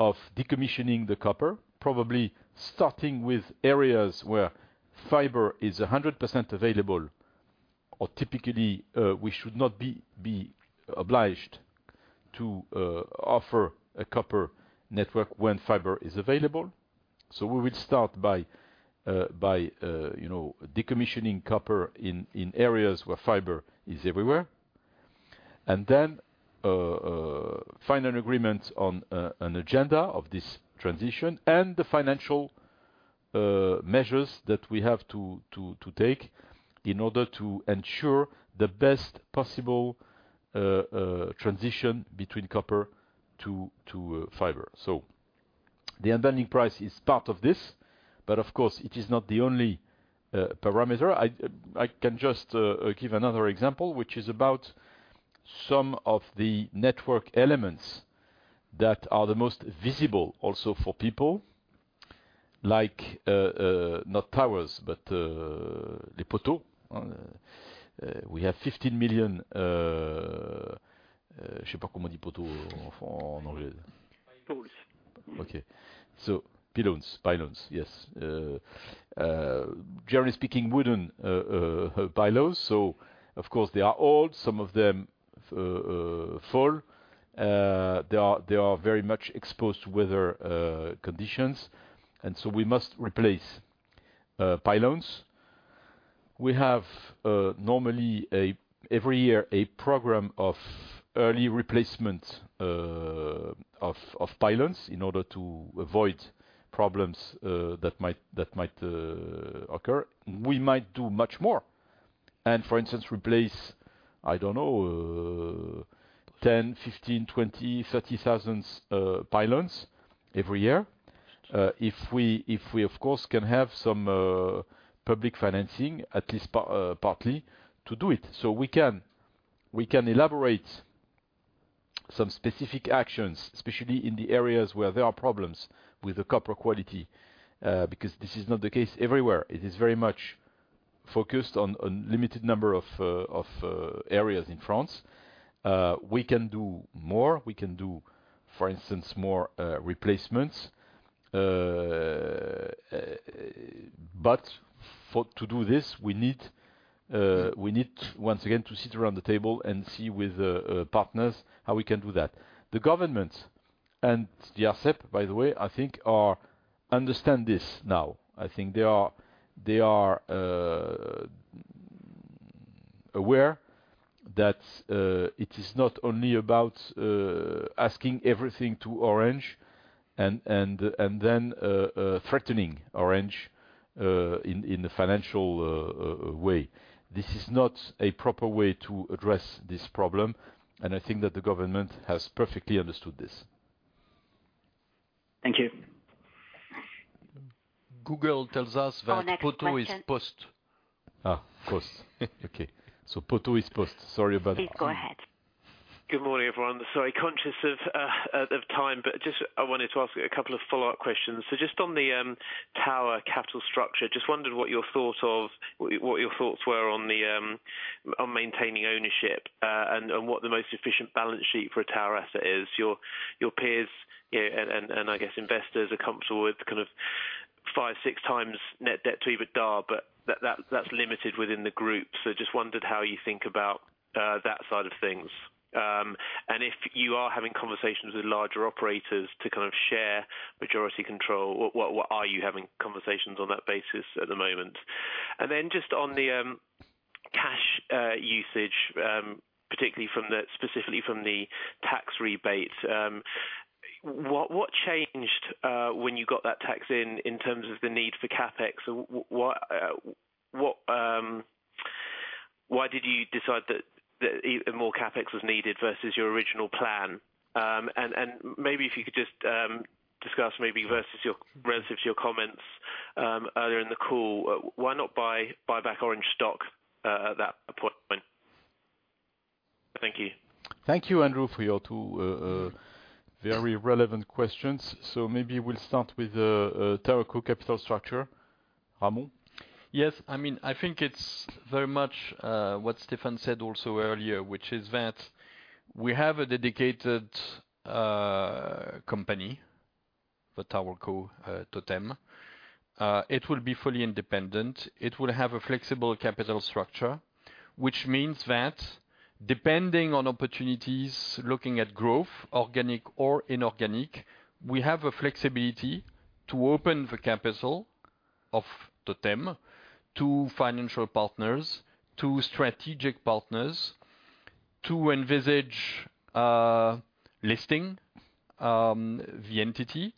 of decommissioning the copper, probably starting with areas where fiber is 100% available, or typically, we should not be obliged to offer a copper network when fiber is available. We will start by decommissioning copper in areas where fiber is everywhere. Then find an agreement on an agenda of this transition and the financial measures that we have to take in order to ensure the best possible transition between copper to fiber. The unbundling price is part of this, but of course, it is not the only parameter. I can just give another example, which is about some of the network elements that are the most visible also for people, like not towers, but les poteaux. We have 15 million, je ne sais pas comment dit poteaux en anglais. Pylons. Okay. So pylons, pylons, yes. Generally speaking, wooden pylons. Of course, they are old. Some of them fall. They are very much exposed to weather conditions. We must replace pylons. We have normally every year a program of early replacement of pylons in order to avoid problems that might occur. We might do much more. For instance, replace, I do not know, 10,000-15,000-20,000-30,000 pylons every year if we, of course, can have some public financing, at least partly, to do it. We can elaborate some specific actions, especially in the areas where there are problems with the copper quality because this is not the case everywhere. It is very much focused on a limited number of areas in France. We can do more. We can do, for instance, more replacements. To do this, we need, once again, to sit around the table and see with partners how we can do that. The government and the ARCEP, by the way, I think, understand this now. I think they are aware that it is not only about asking everything to Orange and then threatening Orange in a financial way. This is not a proper way to address this problem. I think that the government has perfectly understood this. Thank you. Google tells us that poteaux is post. Connect with you. Post. Okay. So poteaux is post. Sorry about that. Please go ahead. Good morning, everyone. Sorry, conscious of time, but just I wanted to ask a couple of follow-up questions. Just on the tower capital structure, I wondered what your thoughts were on maintaining ownership and what the most efficient balance sheet for a tower asset is. Your peers and, I guess, investors are comfortable with kind of five-six times net debt to EBITDA, but that is limited within the group. I wondered how you think about that side of things. If you are having conversations with larger operators to kind of share majority control, what are you having conversations on that basis at the moment? Just on the cash usage, particularly specifically from the tax rebate, what changed when you got that tax in terms of the need for CapEx? Why did you decide that more CapEx was needed versus your original plan? Maybe if you could just discuss relative to your comments earlier in the call, why not buy back Orange stock at that point? Thank you. Thank you, Andrew, for your two very relevant questions. Maybe we'll start with TowerCo capital structure. Ramon? Yes. I mean, I think it's very much what Stéphane said also earlier, which is that we have a dedicated company, the TowerCo Totem. It will be fully independent. It will have a flexible capital structure, which means that depending on opportunities looking at growth, organic or inorganic, we have a flexibility to open the capital of Totem to financial partners, to strategic partners, to envisage listing the entity.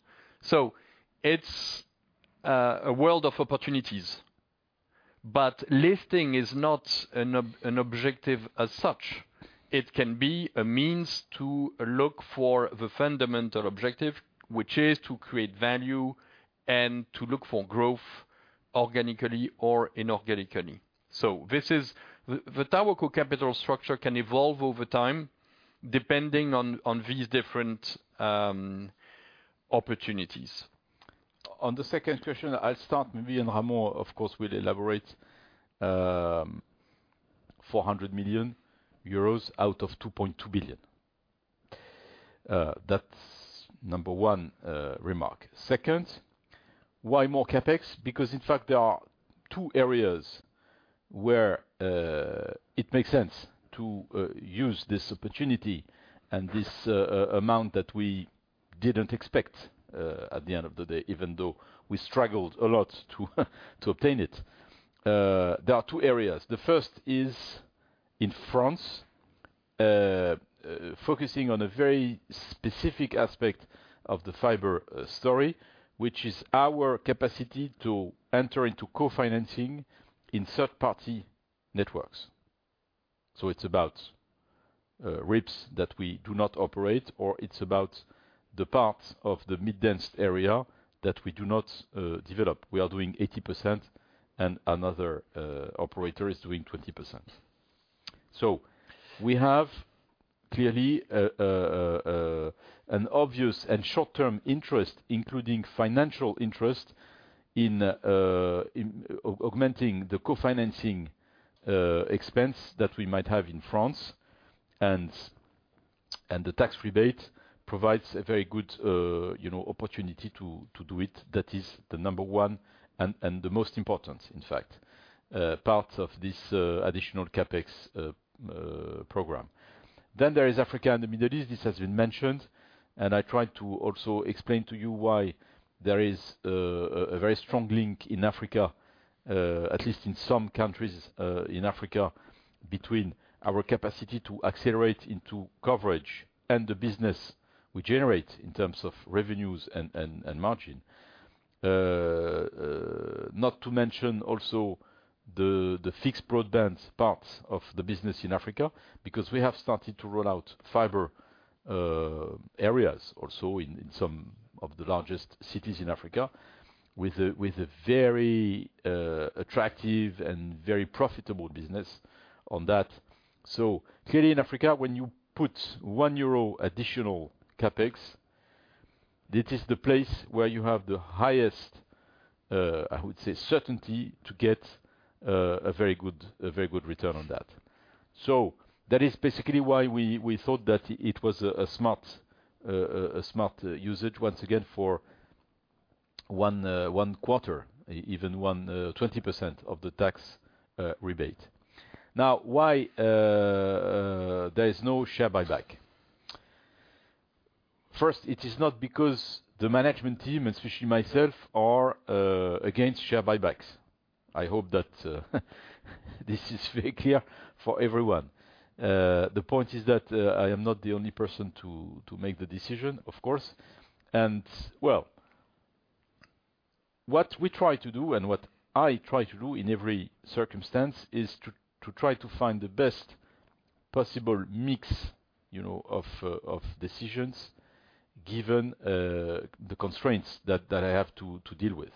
It is a world of opportunities. Listing is not an objective as such. It can be a means to look for the fundamental objective, which is to create value and to look for growth organically or inorganically. The TowerCo capital structure can evolve over time depending on these different opportunities. On the second question, I'll start maybe in Ramon. Of course, we'll elaborate 400 million euros out of 2.2 billion. That's number one remark. Second, why more CapEx? Because, in fact, there are two areas where it makes sense to use this opportunity and this amount that we didn't expect at the end of the day, even though we struggled a lot to obtain it. There are two areas. The first is in France, focusing on a very specific aspect of the fiber story, which is our capacity to enter into co-financing in third-party networks. It is about RIPs that we do not operate, or it is about the part of the mid-densed area that we do not develop. We are doing 80%, and another operator is doing 20%. We have clearly an obvious and short-term interest, including financial interest, in augmenting the co-financing expense that we might have in France. The tax rebate provides a very good opportunity to do it. That is the number one and the most important, in fact, part of this additional CapEx program. There is Africa and the Middle East. This has been mentioned. I tried to also explain to you why there is a very strong link in Africa, at least in some countries in Africa, between our capacity to accelerate into coverage and the business we generate in terms of revenues and margin. Not to mention also the fixed broadband parts of the business in Africa because we have started to roll out fiber areas also in some of the largest cities in Africa with a very attractive and very profitable business on that. Clearly, in Africa, when you put 1 euro additional CapEx, it is the place where you have the highest, I would say, certainty to get a very good return on that. That is basically why we thought that it was a smart usage, once again, for one quarter, even 20% of the tax rebate. Now, why there is no share buyback? First, it is not because the management team, especially myself, are against share buybacks. I hope that this is very clear for everyone. The point is that I am not the only person to make the decision, of course. What we try to do and what I try to do in every circumstance is to try to find the best possible mix of decisions given the constraints that I have to deal with.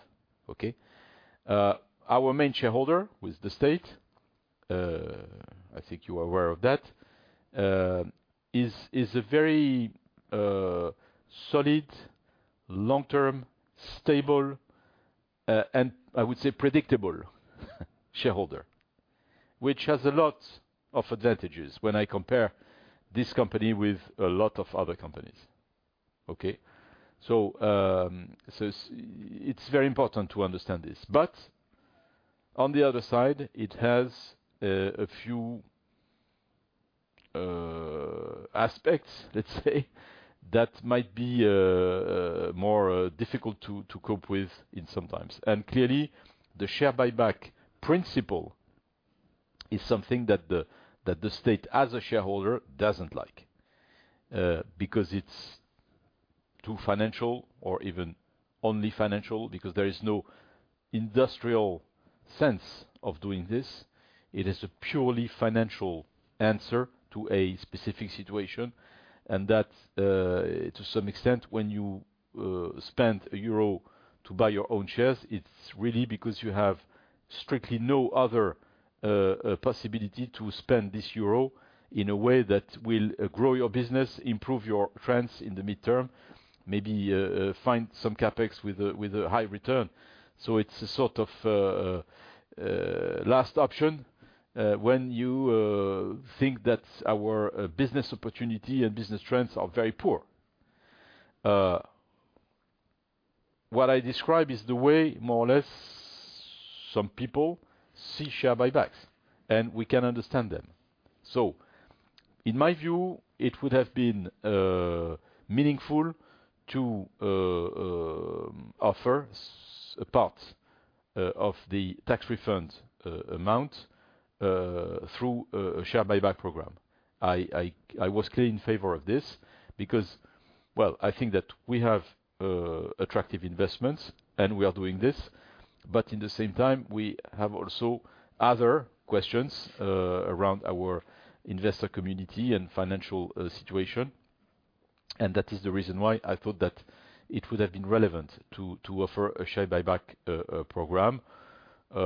Our main shareholder, with the state, I think you are aware of that, is a very solid, long-term, stable, and I would say predictable shareholder, which has a lot of advantages when I compare this company with a lot of other companies. It is very important to understand this. On the other side, it has a few aspects, let's say, that might be more difficult to cope with sometimes. Clearly, the share buyback principle is something that the state, as a shareholder, does not like because it is too financial or even only financial because there is no industrial sense of doing this. It is a purely financial answer to a specific situation. To some extent, when you spend EUR 1 to buy your own shares, it's really because you have strictly no other possibility to spend this EUR 1 in a way that will grow your business, improve your trends in the midterm, maybe find some CapEx with a high return. It is a sort of last option when you think that our business opportunity and business trends are very poor. What I describe is the way, more or less, some people see share buybacks, and we can understand them. In my view, it would have been meaningful to offer a part of the tax refund amount through a share buyback program. I was clearly in favor of this because, well, I think that we have attractive investments, and we are doing this. At the same time, we have also other questions around our investor community and financial situation. That is the reason why I thought that it would have been relevant to offer a share buyback program. The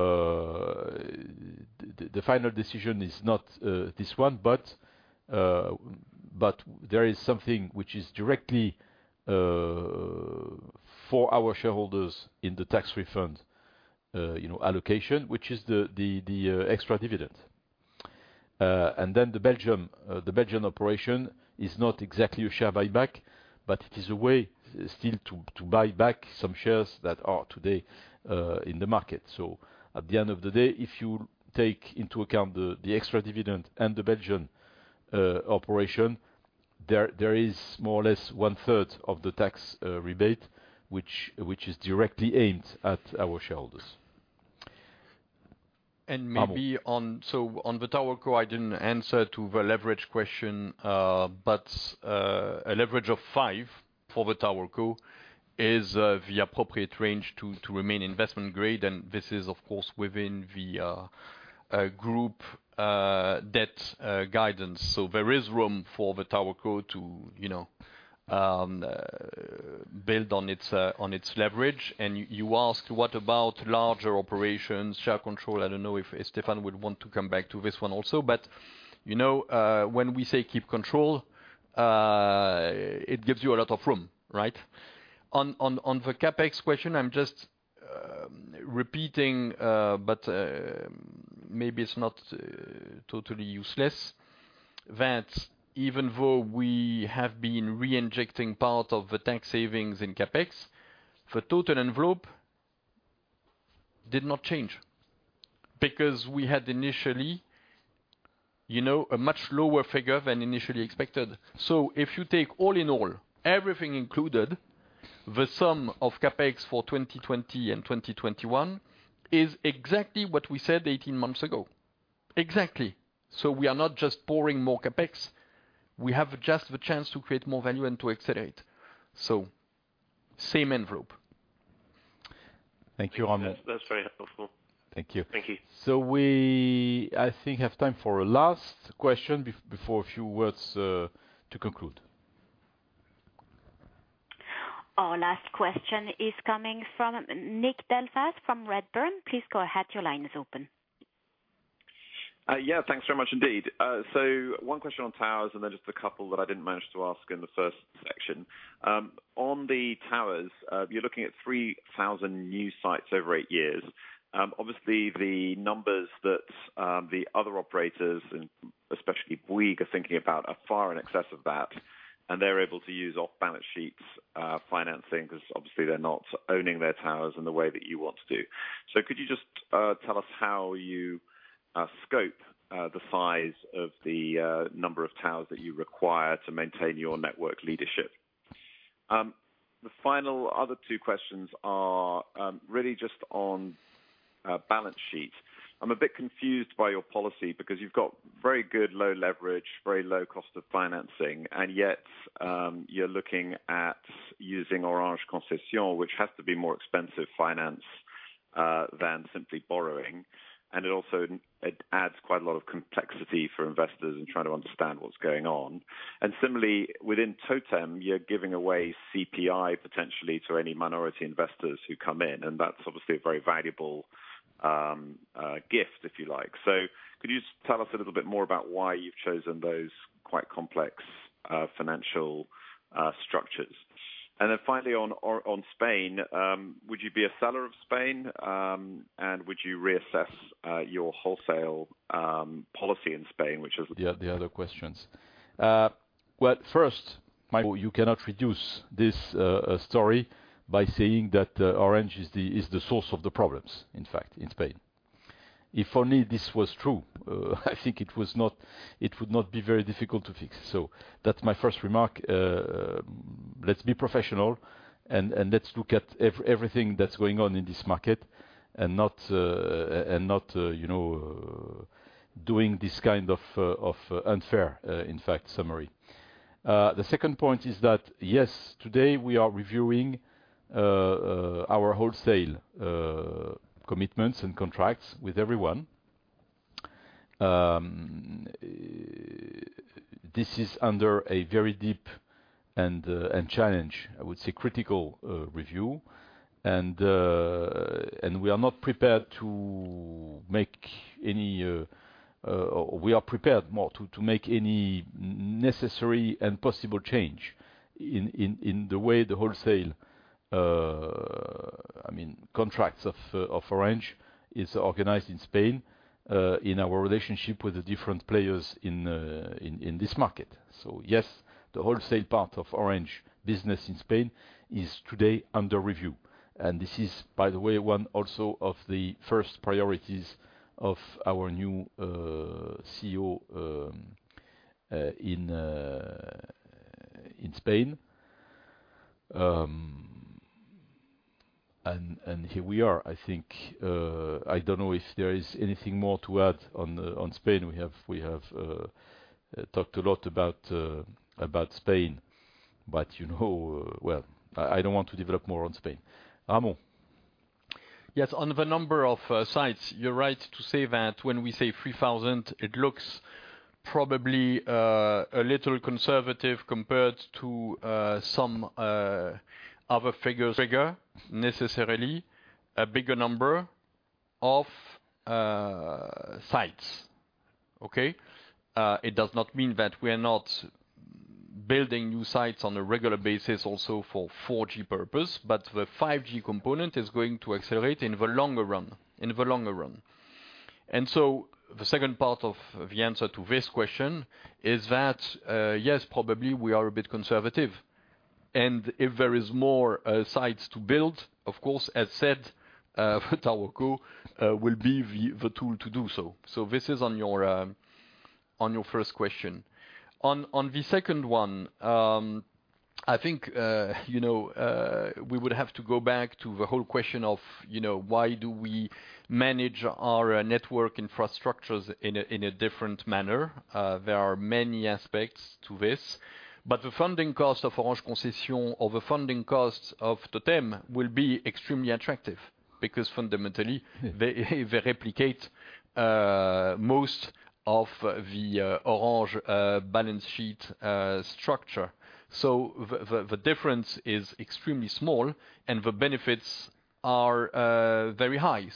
final decision is not this one, but there is something which is directly for our shareholders in the tax refund allocation, which is the extra dividend. The Belgian operation is not exactly a share buyback, but it is a way still to buy back some shares that are today in the market. At the end of the day, if you take into account the extra dividend and the Belgian operation, there is more or less one-third of the tax rebate which is directly aimed at our shareholders. Maybe on the TowerCo, I did not answer to the leverage question, but a leverage of 5 for the TowerCo is the appropriate range to remain investment grade. This is, of course, within the group debt guidance. There is room for the TowerCo to build on its leverage. You ask, what about larger operations, share control? I do not know if Stéphane would want to come back to this one also. When we say keep control, it gives you a lot of room, right? On the CapEx question, I am just repeating, but maybe it is not totally useless, that even though we have been reinjecting part of the tax savings in CapEx, the total envelope did not change because we had initially a much lower figure than initially expected. If you take all in all, everything included, the sum of CapEx for 2020 and 2021 is exactly what we said 18 months ago. Exactly. We are not just pouring more CapEx. We have just the chance to create more value and to accelerate. Same envelope. Thank you, Ramon. That is very helpful. Thank you. Thank you. We, I think, have time for a last question before a few words to conclude. Our last question is coming from Nick Delfas from Redburn. Please go ahead. Your line is open. Yeah. Thanks very much indeed. One question on towers and then just a couple that I did not manage to ask in the first section. On the towers, you are looking at 3,000 new sites over eight years. Obviously, the numbers that the other operators, especially Bouygues, are thinking about are far in excess of that. They're able to use off-balance sheet financing because, obviously, they're not owning their towers in the way that you want to do. Could you just tell us how you scope the size of the number of towers that you require to maintain your network leadership? The final other two questions are really just on balance sheet. I'm a bit confused by your policy because you've got very good low leverage, very low cost of financing, and yet you're looking at using Orange Concession, which has to be more expensive finance than simply borrowing. It also adds quite a lot of complexity for investors in trying to understand what's going on. Similarly, within Totem, you're giving away CPI potentially to any minority investors who come in. That's obviously a very valuable gift, if you like. Could you just tell us a little bit more about why you've chosen those quite complex financial structures? Finally, on Spain, would you be a seller of Spain, and would you reassess your wholesale policy in Spain, which is? Yeah, the other questions. First, my. You cannot reduce this story by saying that Orange is the source of the problems, in fact, in Spain. If only this was true, I think it would not be very difficult to fix. That's my first remark. Let's be professional, and let's look at everything that's going on in this market and not doing this kind of unfair, in fact, summary. The second point is that, yes, today we are reviewing our wholesale commitments and contracts with everyone. This is under a very deep and challenge, I would say, critical review. We are prepared to make any necessary and possible change in the way the wholesale, I mean, contracts of Orange is organized in Spain in our relationship with the different players in this market. Yes, the wholesale part of Orange business in Spain is today under review. This is, by the way, also one of the first priorities of our new CEO in Spain. Here we are, I think. I don't know if there is anything more to add on Spain. We have talked a lot about Spain, but I don't want to develop more on Spain. Ramon. Yes. On the number of sites, you're right to say that when we say 3,000, it looks probably a little conservative compared to some other figures. Figure, necessarily, a bigger number of sites. Okay? It does not mean that we are not building new sites on a regular basis also for 4G purpose, but the 5G component is going to accelerate in the longer run. In the longer run. The second part of the answer to this question is that, yes, probably we are a bit conservative. If there is more sites to build, of course, as said, TowerCo will be the tool to do so. This is on your first question. On the second one, I think we would have to go back to the whole question of why do we manage our network infrastructures in a different manner. There are many aspects to this. The funding cost of Orange Concession or the funding cost of Totem will be extremely attractive because, fundamentally, they replicate most of the Orange balance sheet structure. The difference is extremely small, and the benefits are very high.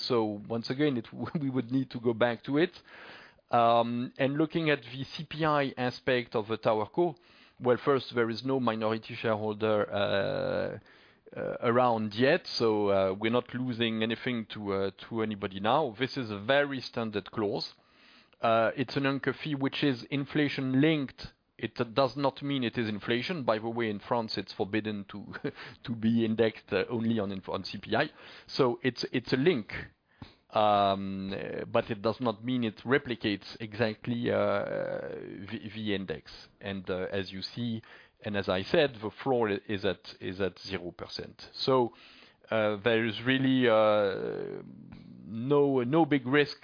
Once again, we would need to go back to it. Looking at the CPI aspect of TowerCo, first, there is no minority shareholder around yet, so we're not losing anything to anybody now. This is a very standard clause. It's an NCCEFI, which is inflation-linked. It does not mean it is inflation. By the way, in France, it's forbidden to be indexed only on CPI. It's a link, but it does not mean it replicates exactly the index. As you see, and as I said, the floor is at 0%. There is really no big risk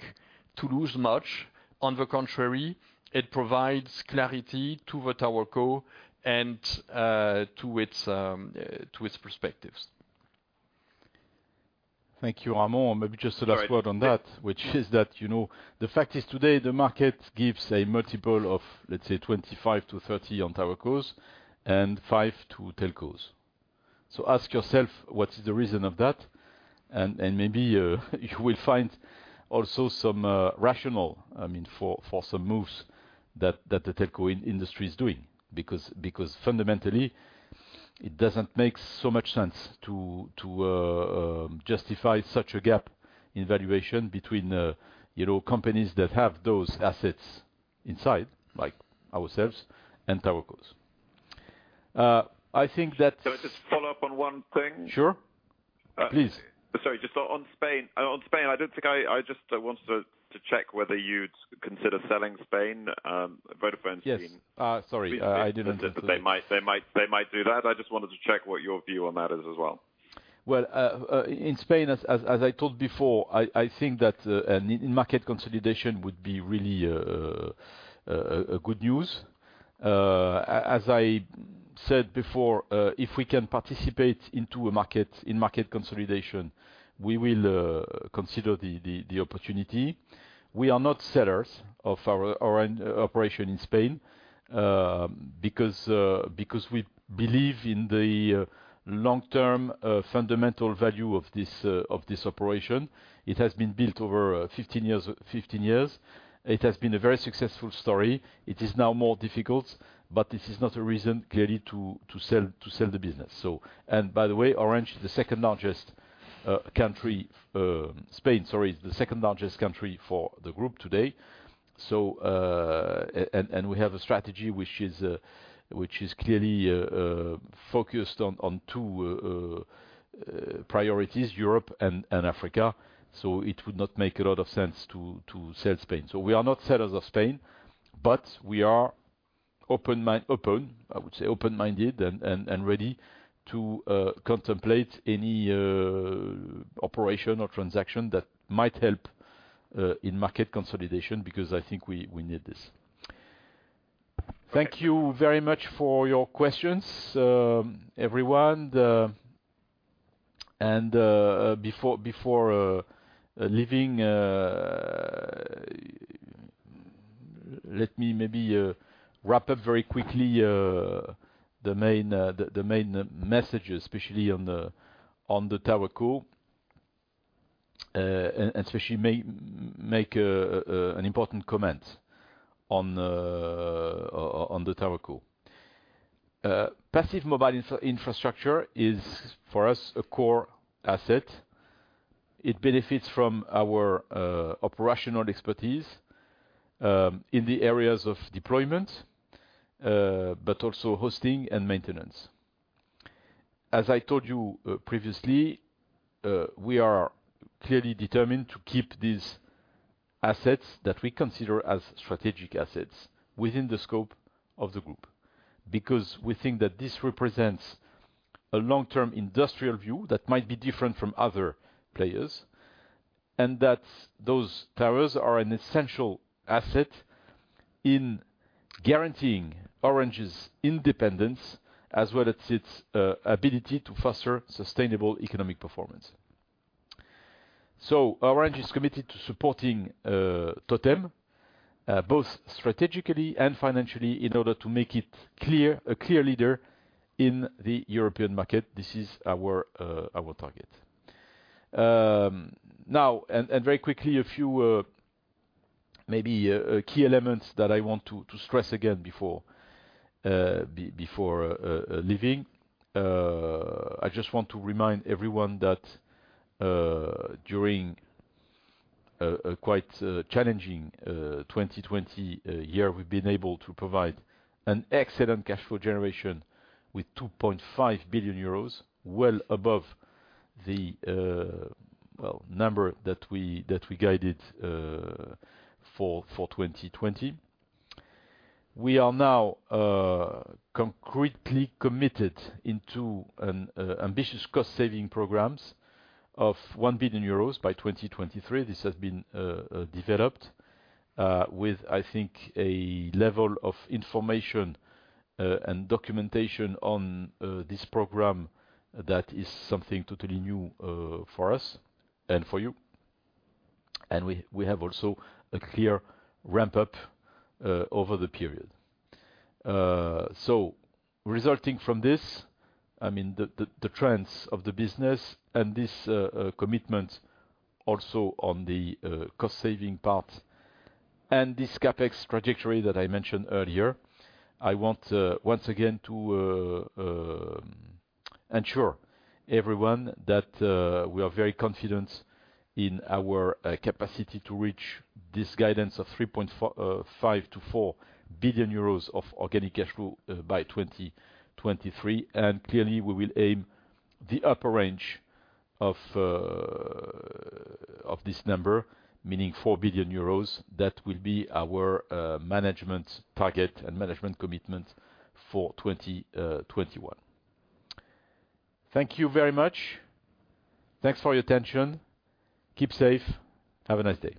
to lose much. On the contrary, it provides clarity to TowerCo and to its perspectives. Thank you, Ramon. Maybe just the last word on that, which is that the fact is today the market gives a multiple of, let's say, 25-30 on TowerCos and 5 to telcos. So ask yourself, what is the reason of that? And maybe you will find also some rationale, I mean, for some moves that the telco industry is doing because, fundamentally, it doesn't make so much sense to justify such a gap in valuation between companies that have those assets inside, like ourselves and TowerCos. I think that. Can I just follow up on one thing? Sure. Please. Sorry. Just on Spain, I don't think I just wanted to check whether you'd consider selling Spain. Vodafone's been. Yes. Sorry. I didn't intend to. They might do that. I just wanted to check what your view on that is as well. In Spain, as I told before, I think that market consolidation would be really good news. As I said before, if we can participate in market consolidation, we will consider the opportunity. We are not sellers of our operation in Spain because we believe in the long-term fundamental value of this operation. It has been built over 15 years. It has been a very successful story. It is now more difficult, but this is not a reason clearly to sell the business. By the way, Spain is the second largest country for the group today. We have a strategy which is clearly focused on two priorities, Europe and Africa. It would not make a lot of sense to sell Spain. We are not sellers of Spain, but we are open-minded, I would say, open-minded and ready to contemplate any operation or transaction that might help in market consolidation because I think we need this. Thank you very much for your questions, everyone. Before leaving, let me maybe wrap up very quickly the main messages, especially on the TowerCo, and especially make an important comment on the TowerCo. Passive mobile infrastructure is, for us, a core asset. It benefits from our operational expertise in the areas of deployment, but also hosting and maintenance. As I told you previously, we are clearly determined to keep these assets that we consider as strategic assets within the scope of the group because we think that this represents a long-term industrial view that might be different from other players and that those towers are an essential asset in guaranteeing Orange's independence as well as its ability to foster sustainable economic performance. Orange is committed to supporting Totem both strategically and financially in order to make it a clear leader in the European market. This is our target. Now, and very quickly, a few maybe key elements that I want to stress again before leaving. I just want to remind everyone that during a quite challenging 2020 year, we've been able to provide an excellent cash flow generation with 2.5 billion euros, well above the number that we guided for 2020. We are now concretely committed into ambitious cost-saving programs of 1 billion euros by 2023. This has been developed with, I think, a level of information and documentation on this program that is something totally new for us and for you. We have also a clear ramp-up over the period. Resulting from this, I mean, the trends of the business and this commitment also on the cost-saving part and this CapEx trajectory that I mentioned earlier, I want once again to ensure everyone that we are very confident in our capacity to reach this guidance of 3.5 billion-4 billion euros of organic cash flow by 2023. Clearly, we will aim the upper range of this number, meaning 4 billion euros, that will be our management target and management commitment for 2021. Thank you very much. Thanks for your attention. Keep safe. Have a nice day.